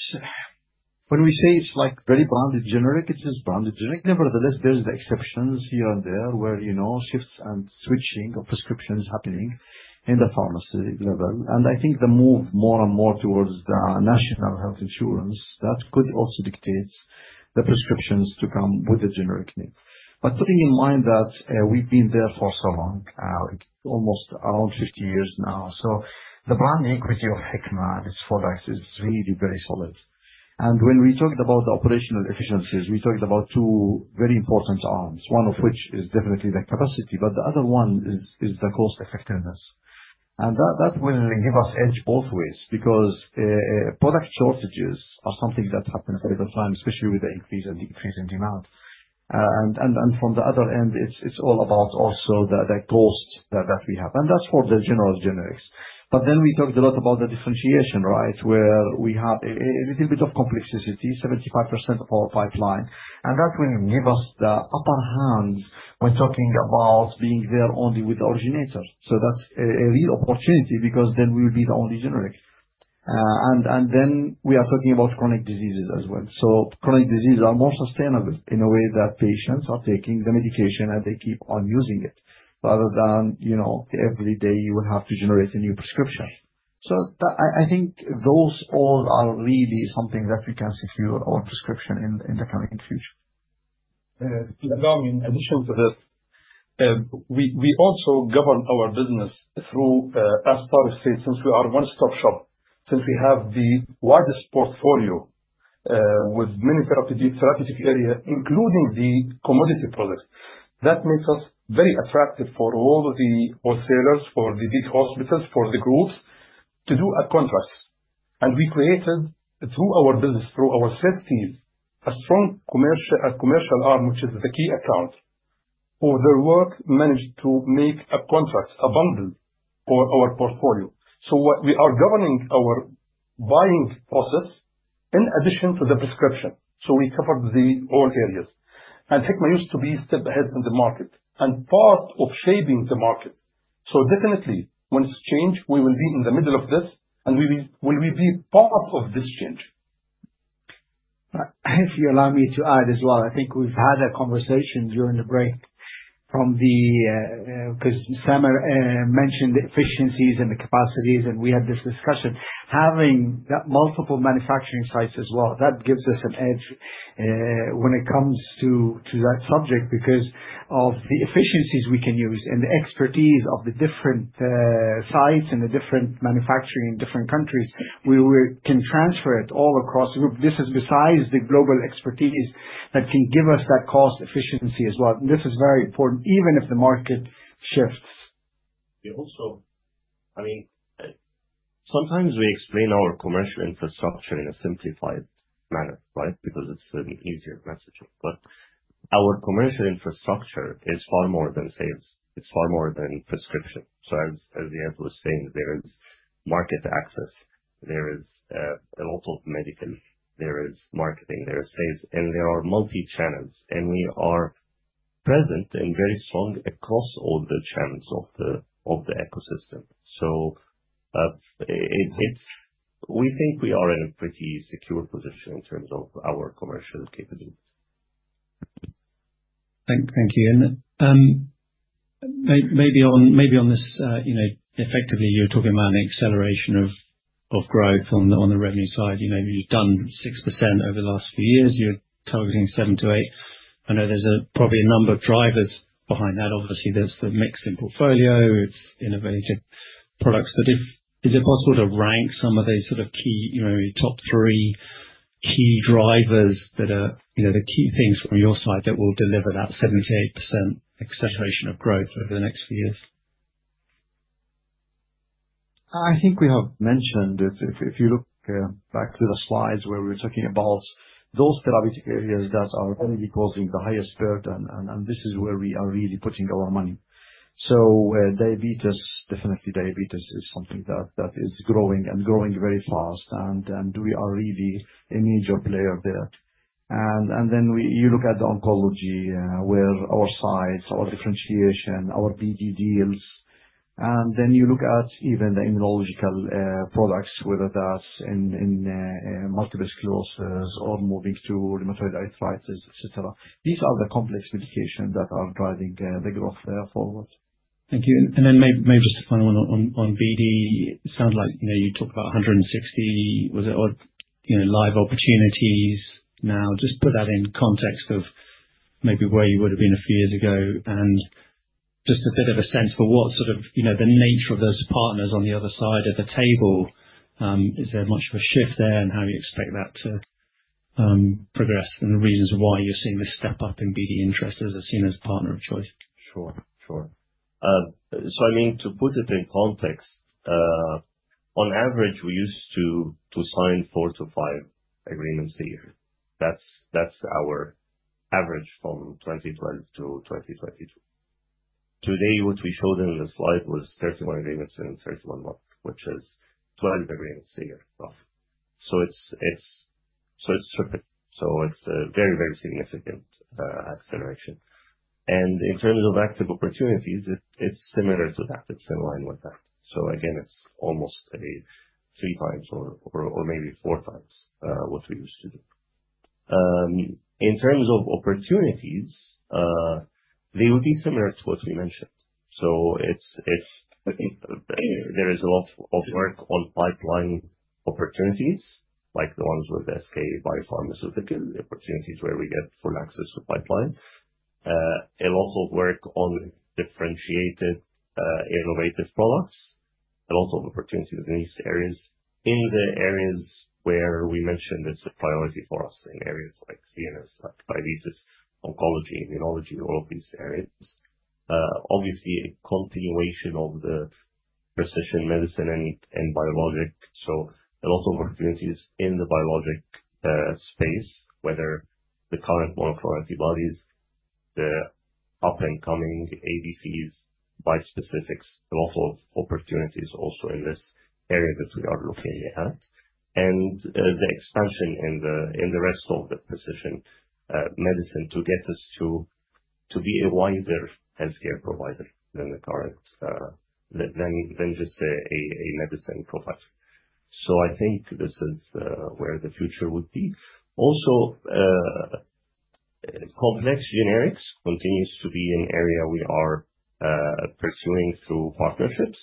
[SPEAKER 3] when we say it's like very branded generic, it is branded generic. Nevertheless, there's the exceptions here and there where, you know, shifts and switching of prescriptions happening in the pharmacy level. And I think the move more and more towards the national health insurance, that could also dictate the prescriptions to come with the generic name. But putting in mind that, we've been there for so long, almost around 50 years now. So the brand equity of Hikma, its products is really very solid. And when we talked about the operational efficiencies, we talked about two very important arms, one of which is definitely the capacity, but the other one is the cost effectiveness. And that will give us edge both ways because product shortages are something that happens all the time, especially with the increase and decrease in demand. And from the other end, it's all about also the cost that we have. And that's for the general generics. But then we talked a lot about the differentiation, right, where we have a little bit of complexity, 75% of our pipeline, and that will give us the upper hand when talking about being there only with the originator. So that's a real opportunity because then we will be the only generic. And then we are talking about chronic diseases as well. So chronic diseases are more sustainable in a way that patients are taking the medication and they keep on using it rather than, you know, every day you will have to generate a new prescription. So that I think those all are really something that we can secure our prescription in the coming future.
[SPEAKER 18] In addition to that, we also govern our business through, as Tariq said, since we are one-stop shop, since we have the widest portfolio, with many therapeutic areas, including the commodity products, that makes us very attractive for all the wholesalers, for the big hospitals, for the groups to do a contract. And we created through our business, through our sales teams, a strong commercial arm, which is the key account for their work, managed to make a contract, a bundle for our portfolio. So we are governing our buying process in addition to the prescription. So we covered all areas. And Hikma used to be a step ahead in the market and part of shaping the market. So definitely when it's change, we will be in the middle of this and we will be part of this change.
[SPEAKER 6] If you allow me to add as well, I think we've had a conversation during the break from the, because someone mentioned the efficiencies and the capacities, and we had this discussion having multiple manufacturing sites as well. That gives us an edge when it comes to that subject because of the efficiencies we can use and the expertise of the different sites and the different manufacturing in different countries. We can transfer it all across the group. This is besides the global expertise that can give us that cost efficiency as well. And this is very important even if the market shifts.
[SPEAKER 4] Yeah. Also, I mean, sometimes we explain our commercial infrastructure in a simplified manner, right? Because it's an easier message. But our commercial infrastructure is far more than sales. It's far more than prescription. So, as Said was saying, there is market access, there is a lot of medical, there is marketing, there is sales, and there are multi-channels, and we are present and very strong across all the channels of the ecosystem. It's we think we are in a pretty secure position in terms of our commercial capability.
[SPEAKER 17] Thank you. And maybe on this, you know, effectively you're talking about an acceleration of growth on the revenue side. You know, you've done 6% over the last few years. You're targeting 7%-8%. I know there's probably a number of drivers behind that. Obviously, there's the mix in portfolio, it's innovative products. But is it possible to rank some of these sort of key, you know, top three key drivers that are, you know, the key things from your side that will deliver that 7-8% acceleration of growth over the next few years?
[SPEAKER 3] I think we have mentioned it. If you look back to the slides where we were talking about those therapeutic areas that are really causing the highest burden, and this is where we are really putting our money. So, diabetes, definitely diabetes is something that is growing and growing very fast, and we are really a major player there. And then you look at the oncology, where our sites, our differentiation, our BD deals, and then you look at even the immunological products, whether that's in multiple sclerosis or moving to rheumatoid arthritis, et cetera. These are the complex medications that are driving the growth there forward.
[SPEAKER 17] Thank you. And then maybe just a final one on BD. It sounds like, you know, you talked about 160, was it, or, you know, live opportunities now. Just put that in context of maybe where you would've been a few years ago and just a bit of a sense for what sort of, you know, the nature of those partners on the other side of the table. Is there much of a shift there and how you expect that to progress and the reasons why you're seeing this step up in BD interest as a, as a partner of choice?
[SPEAKER 4] Sure. Sure. So I mean, to put it in context, on average, we used to sign four to five agreements a year. That's our average from 2012 to 2022. Today, what we showed in the slide was 31 agreements in 31 months, which is 12 agreements a year roughly. So it's tripled. So it's a very, very significant acceleration. And in terms of active opportunities, it's similar to that. It's in line with that. So again, it's almost three times or maybe four times what we used to do. In terms of opportunities, they would be similar to what we mentioned. So it's there is a lot of work on pipeline opportunities, like the ones with the SK Biopharmaceuticals, the opportunities where we get full access to pipeline, a lot of work on differentiated, innovative products, a lot of opportunities in these areas, in the areas where we mentioned it's a priority for us in areas like CNS, like diabetes, oncology, immunology, all of these areas. Obviously a continuation of the precision medicine and biologics. So a lot of opportunities in the biologics space, whether the current monoclonal antibodies, the up-and-coming ADCs, bispecifics, a lot of opportunities also in this area that we are looking at. The expansion in the rest of the precision medicine to get us to be a wiser healthcare provider than the current than just a medicine provider. So I think this is where the future would be. Also, complex generics continues to be an area we are pursuing through partnerships.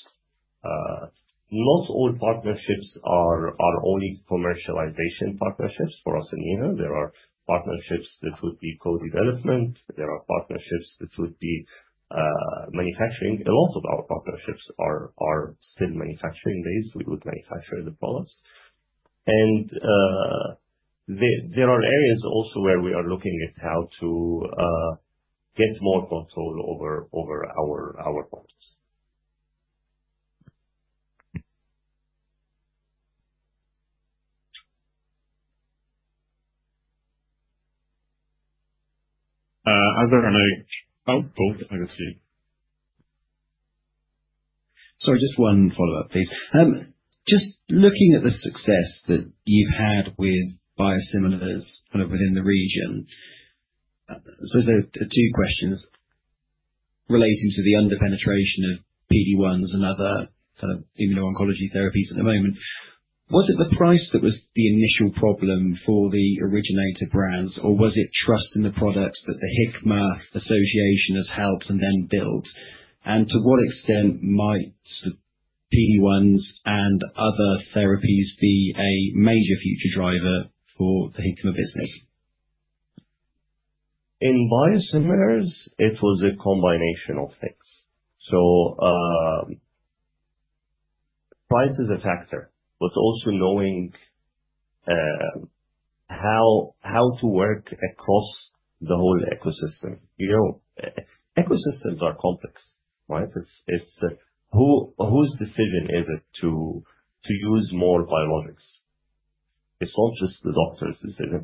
[SPEAKER 4] Not all partnerships are only commercialization partnerships for us in here. There are partnerships that would be co-development. There are partnerships that would be manufacturing. A lot of our partnerships are still manufacturing-based. We would manufacture the products. And there are areas also where we are looking at how to get more control over our products. Are there any? Oh, both, I can see.
[SPEAKER 9] Sorry, just one follow-up, please. Just looking at the success that you've had with biosimilars kind of within the region, I suppose there are two questions relating to the under-penetration of PD-1s and other kind of immuno-oncology therapies at the moment. Was it the price that was the initial problem for the originator brands, or was it trust in the products that the Hikma has helped and then built? And to what extent might sort of PD-1s and other therapies be a major future driver for the Hikma business?
[SPEAKER 4] In biosimilars, it was a combination of things. So, price is a factor, but also knowing how to work across the whole ecosystem. You know, ecosystems are complex, right? It's who whose decision is it to use more biologics? It's not just the doctor's decision.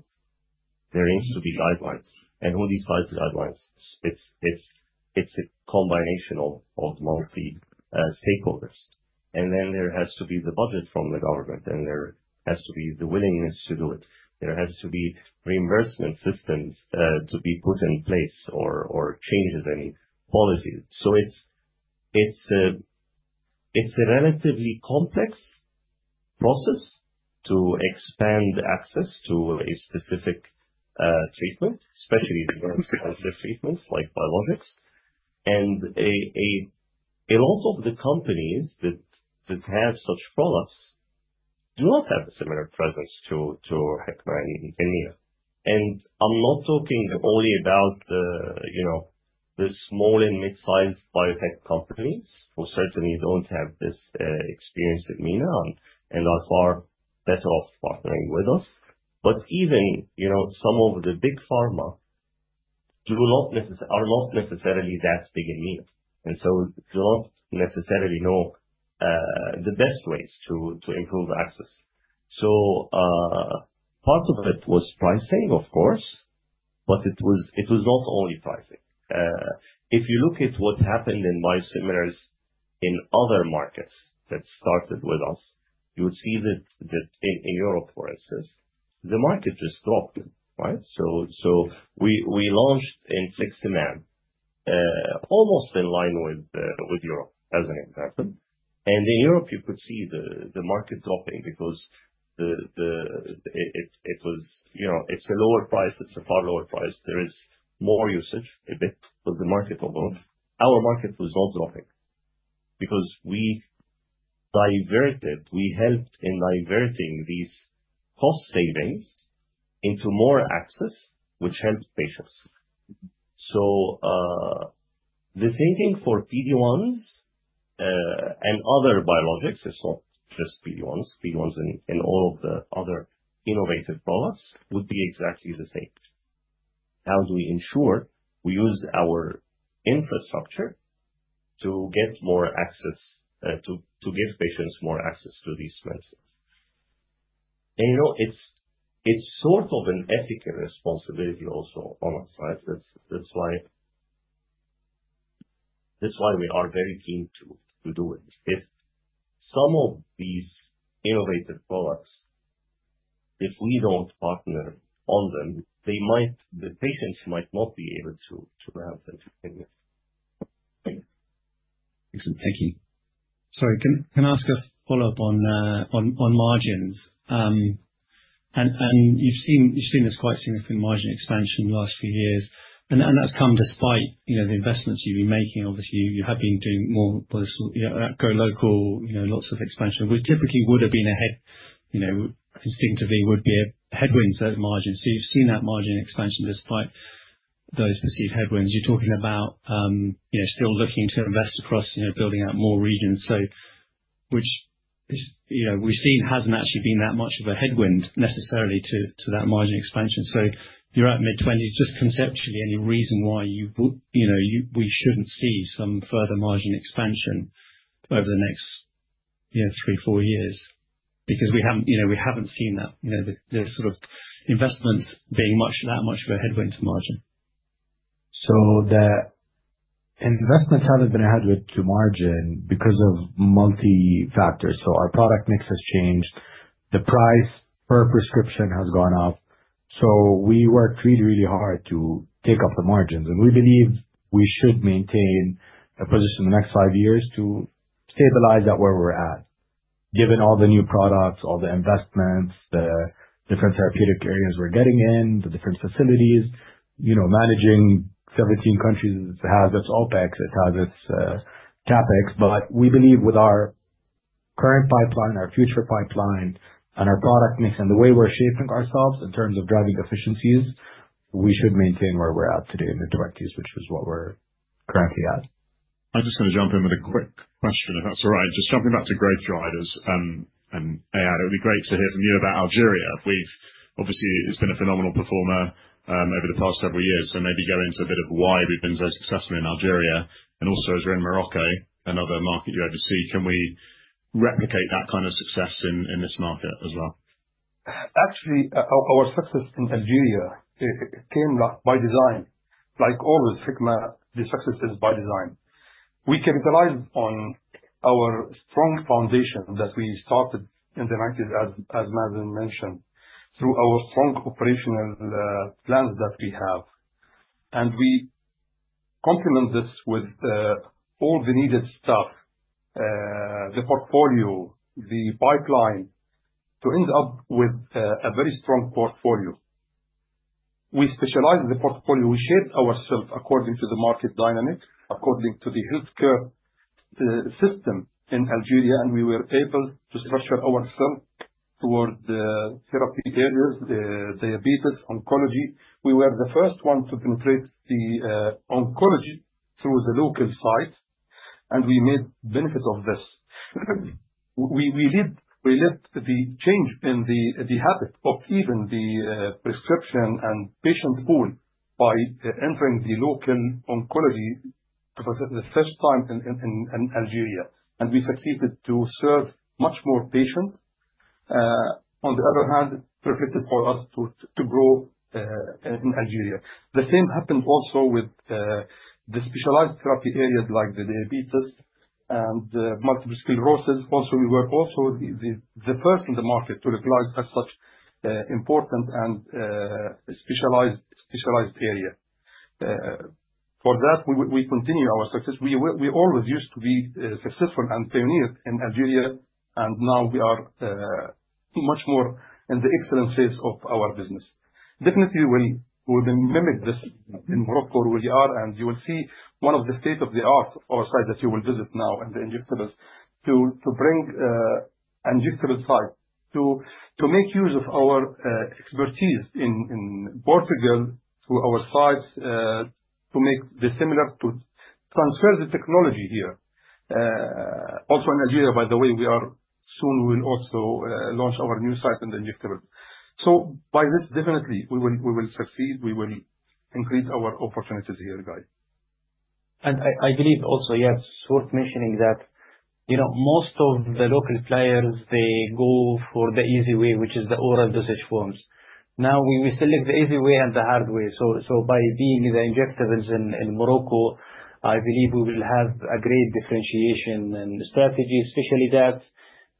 [SPEAKER 4] There needs to be guidelines. And who decides the guidelines? It's a combination of multiple stakeholders. And then there has to be the budget from the government, and there has to be the willingness to do it. There has to be reimbursement systems to be put in place or changes in policies. So it's a relatively complex process to expand access to a specific treatment, especially the more expensive treatments like biologics. And a lot of the companies that have such products do not have a similar presence to Hikma in MENA. And I'm not talking only about the, you know, the small and mid-sized biotech companies who certainly don't have this experience in MENA and are far better off partnering with us. But even, you know, some of the big pharma are not necessarily that big in MENA. And so we do not necessarily know the best ways to improve access. Part of it was pricing, of course, but it was not only pricing. If you look at what happened in biosimilars in other markets that started with us, you would see that in Europe, for instance, the market just dropped, right? So we launched in fingolimod, almost in line with Europe as an example. And in Europe, you could see the market dropping because it was, you know, a lower price. It's a far lower price. There is more usage a bit for the market alone. Our market was not dropping because we diverted. We helped in diverting these cost savings into more access, which helped patients. So, the thinking for PD-1s and other biologics is not just PD-1s. PD-1s in all of the other innovative products would be exactly the same. How do we ensure we use our infrastructure to get more access, to give patients more access to these medicines? And you know, it's sort of an ethical responsibility also on our side. That's why we are very keen to do it. If some of these innovative products, if we don't partner on them, they might, the patients might not be able to have them continue.
[SPEAKER 17] Excellent. Thank you. Sorry, can I ask a follow-up on margins? And you've seen this quite significant margin expansion in the last few years, and that's come despite, you know, the investments you've been making. Obviously, you have been doing more by the, you know, that go local, you know, lots of expansion, which typically would've been, you know, instinctively a headwind to margins. So you've seen that margin expansion despite those perceived headwinds. You're talking about, you know, still looking to invest across, you know, building out more regions. So, which is, you know, we've seen hasn't actually been that much of a headwind necessarily to that margin expansion. So you're at mid-twenties. Just conceptually, any reason why you would, you know, we shouldn't see some further margin expansion over the next, you know, three, four years? Because we haven't, you know, we haven't seen that, you know, the sort of investments being much of a headwind to margin.
[SPEAKER 2] So the investments haven't been a headwind to margin because of multi-factors. Our product mix has changed. The price per prescription has gone up. We worked really, really hard to take up the margins, and we believe we should maintain a position in the next five years to stabilize at where we're at, given all the new products, all the investments, the different therapeutic areas we're getting in, the different facilities, you know, managing 17 countries. It has its OpEx. It has its CapEx. But we believe with our current pipeline, our future pipeline, and our product mix, and the way we're shaping ourselves in terms of driving efficiencies, we should maintain where we're at today in the twenties, which is what we're currently at.
[SPEAKER 19] I just wanna jump in with a quick question, if that's all right. Just jumping back to growth drivers and Iraq. It would be great to hear from you about Algeria. We've obviously, it's been a phenomenal performer over the past several years. So maybe go into a bit of why we've been so successful in Algeria. And also, as we're in Morocco, another market you oversee, can we replicate that kind of success in this market as well?
[SPEAKER 18] Actually, our success in Algeria, it came by design. Like always, Hikma, the success is by design. We capitalized on our strong foundation that we started in the nineties as Mazen mentioned, through our strong operational plans that we have. And we complement this with all the needed stuff, the portfolio, the pipeline to end up with a very strong portfolio. We specialize the portfolio. We shaped ourselves according to the market dynamic, according to the healthcare system in Algeria. And we were able to structure ourselves toward the therapy areas, the diabetes, oncology. We were the first one to penetrate the oncology through the local site, and we made benefit of this. We led the change in the habit of even the prescription and patient pool by entering the local oncology for the first time in Algeria, and we succeeded to serve much more patients. On the other hand, it reflected for us to grow in Algeria. The same happened also with the specialized therapy areas like the diabetes and multiple sclerosis. Also, we were the first in the market to localize as such important and specialized area. For that, we continue our success. We always used to be successful and pioneered in Algeria, and now we are much more in the excellence phase of our business. Definitely, we will, we will mimic this in Morocco, where we are, and you will see one of the state-of-the-art of our site that you will visit now in the injectables to bring injectable site to make use of our expertise in Portugal through our sites to make the similar to transfer the technology here. Also in Algeria, by the way, we are soon, we will also launch our new site in the injectable. So by this, definitely we will, we will succeed. We will increase our opportunities here, guys.
[SPEAKER 7] And I, I believe also, yes, worth mentioning that, you know, most of the local players, they go for the easy way, which is the oral dosage forms. Now we, we select the easy way and the hard way. By being in injectables in Morocco, I believe we will have a great differentiation and strategy, especially that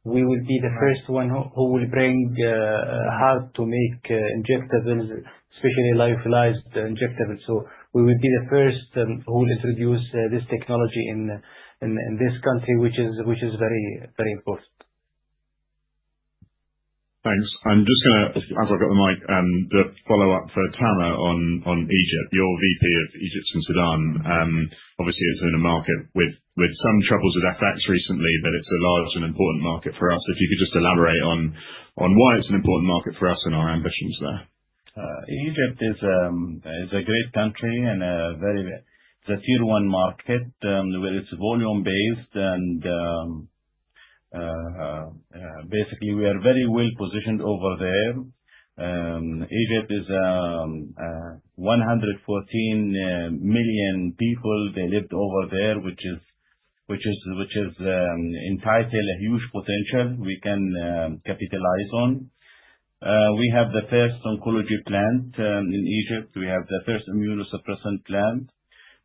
[SPEAKER 7] we will be the first one who will bring hard-to-make injectables, especially lyophilized injectables. We will be the first who will introduce this technology in this country, which is very important.
[SPEAKER 19] Thanks. I'm just gonna, as I've got the mic, the follow-up for Tamer on Egypt, your VP of Egypt and Sudan. Obviously it's in a market with some troubles with FX recently, but it's a large and important market for us. If you could just elaborate on why it's an important market for us and our ambitions there.
[SPEAKER 20] Egypt is a great country and it's a tier-one market, where it's volume-based and basically we are very well positioned over there. Egypt is 114 million people. They live over there, which is entitled a huge potential we can capitalize on. We have the first oncology plant in Egypt. We have the first immunosuppressant plant.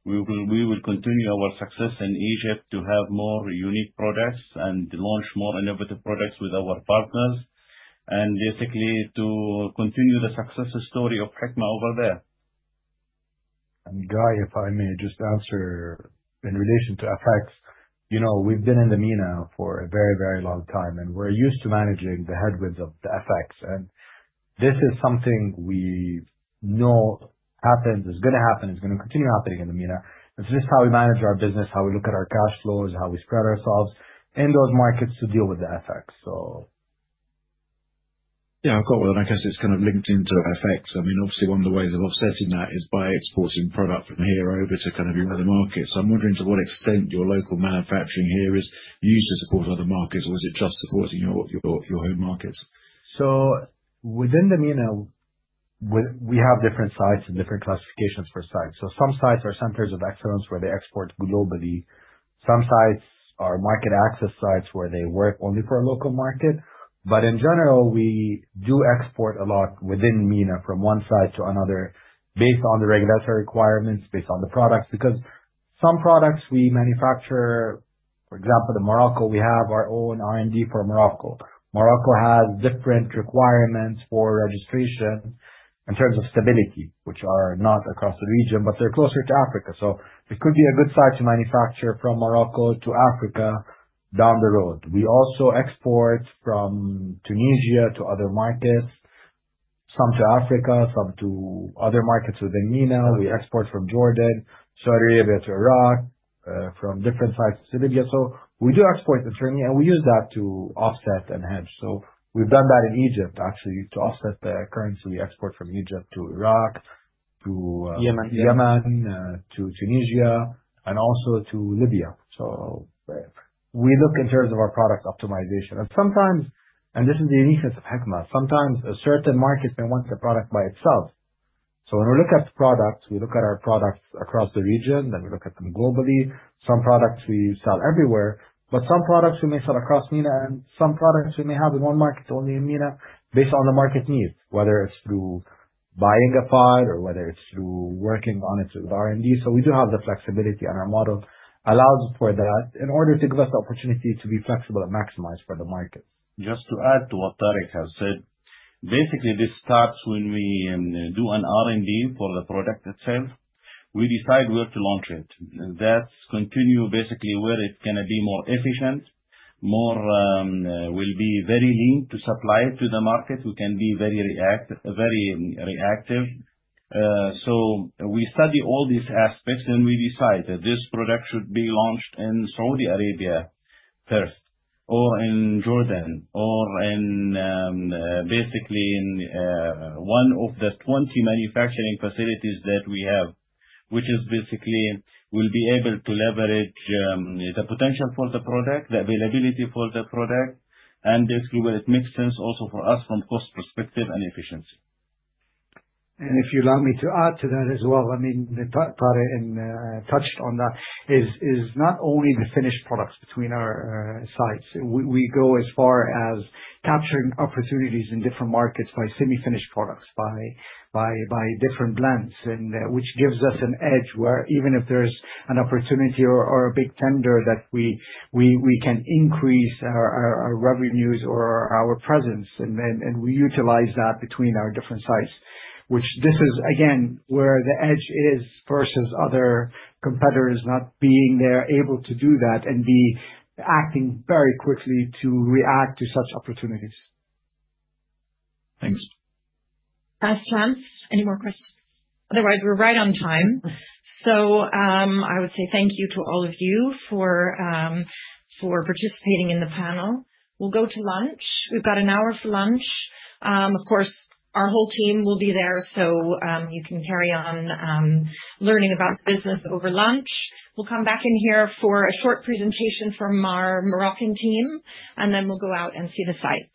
[SPEAKER 20] We will continue our success in Egypt to have more unique products and launch more innovative products with our partners and basically to continue the success story of Hikma over there.
[SPEAKER 2] And Guy, if I may just answer in relation to FX, you know, we've been in the MENA for a very, very long time and we're used to managing the headwinds of the FX. And this is something we know happens, is gonna happen, is gonna continue happening in the MENA. It's just how we manage our business, how we look at our cash flows, how we spread ourselves in those markets to deal with the FX. So. Yeah, I've got it. I guess it's kind of linked into FX. I mean, obviously one of the ways of offsetting that is by exporting product from here over to kind of the other markets. I'm wondering to what extent your local manufacturing here is used to support other markets or is it just supporting your home markets? So within the MENA, we have different sites and different classifications for sites. So some sites are centers of excellence where they export globally. Some sites are market access sites where they work only for a local market. But in general, we do export a lot within MENA from one site to another based on the regulatory requirements, based on the products, because some products we manufacture, for example, in Morocco, we have our own R&D for Morocco. Morocco has different requirements for registration in terms of stability, which are not across the region, but they're closer to Africa. So it could be a good site to manufacture from Morocco to Africa down the road. We also export from Tunisia to other markets, some to Africa, some to other markets within MENA. We export from Jordan, Saudi Arabia to Iraq, from different sites to Libya. So we do export internally and we use that to offset and hedge. So we've done that in Egypt actually to offset the currency. We export from Egypt to Iraq, to Yemen, to Tunisia and also to Libya. So we look in terms of our product optimization and sometimes, and this is the uniqueness of Hikma, sometimes a certain market may want the product by itself. So when we look at products, we look at our products across the region, then we look at them globally. Some products we sell everywhere, but some products we may sell across MENA and some products we may have in one market only in MENA based on the market needs, whether it's through buying a file or whether it's through working on it with R&D. So we do have the flexibility and our model allows for that in order to give us the opportunity to be flexible and maximize for the market.
[SPEAKER 20] Just to add to what Tareq has said, basically this starts when we do an R&D for the product itself. We decide where to launch it. That continues basically where it's gonna be more efficient, will be very lean to supply to the market. We can be very reactive, very reactive. So we study all these aspects and we decide that this product should be launched in Saudi Arabia first or in Jordan or in, basically in, one of the 20 manufacturing facilities that we have, which basically will be able to leverage the potential for the product, the availability for the product, and it makes sense also for us from cost perspective and efficiency.
[SPEAKER 6] And if you allow me to add to that as well, I mean, Tareq has touched on that. It is not only the finished products between our sites. We go as far as capturing opportunities in different markets by semi-finished products, by different blends, and which gives us an edge where even if there's an opportunity or a big tender that we can increase our revenues or our presence and we utilize that between our different sites, which this is again where the edge is versus other competitors not being there able to do that and be acting very quickly to react to such opportunities. Thanks.
[SPEAKER 1] That's Lance. Any more questions? Otherwise, we're right on time. So, I would say thank you to all of you for participating in the panel. We'll go to lunch. We've got an hour for lunch. Of course, our whole team will be there. So, you can carry on, learning about the business over lunch. We'll come back in here for a short presentation from our Moroccan team, and then we'll go out and see the site.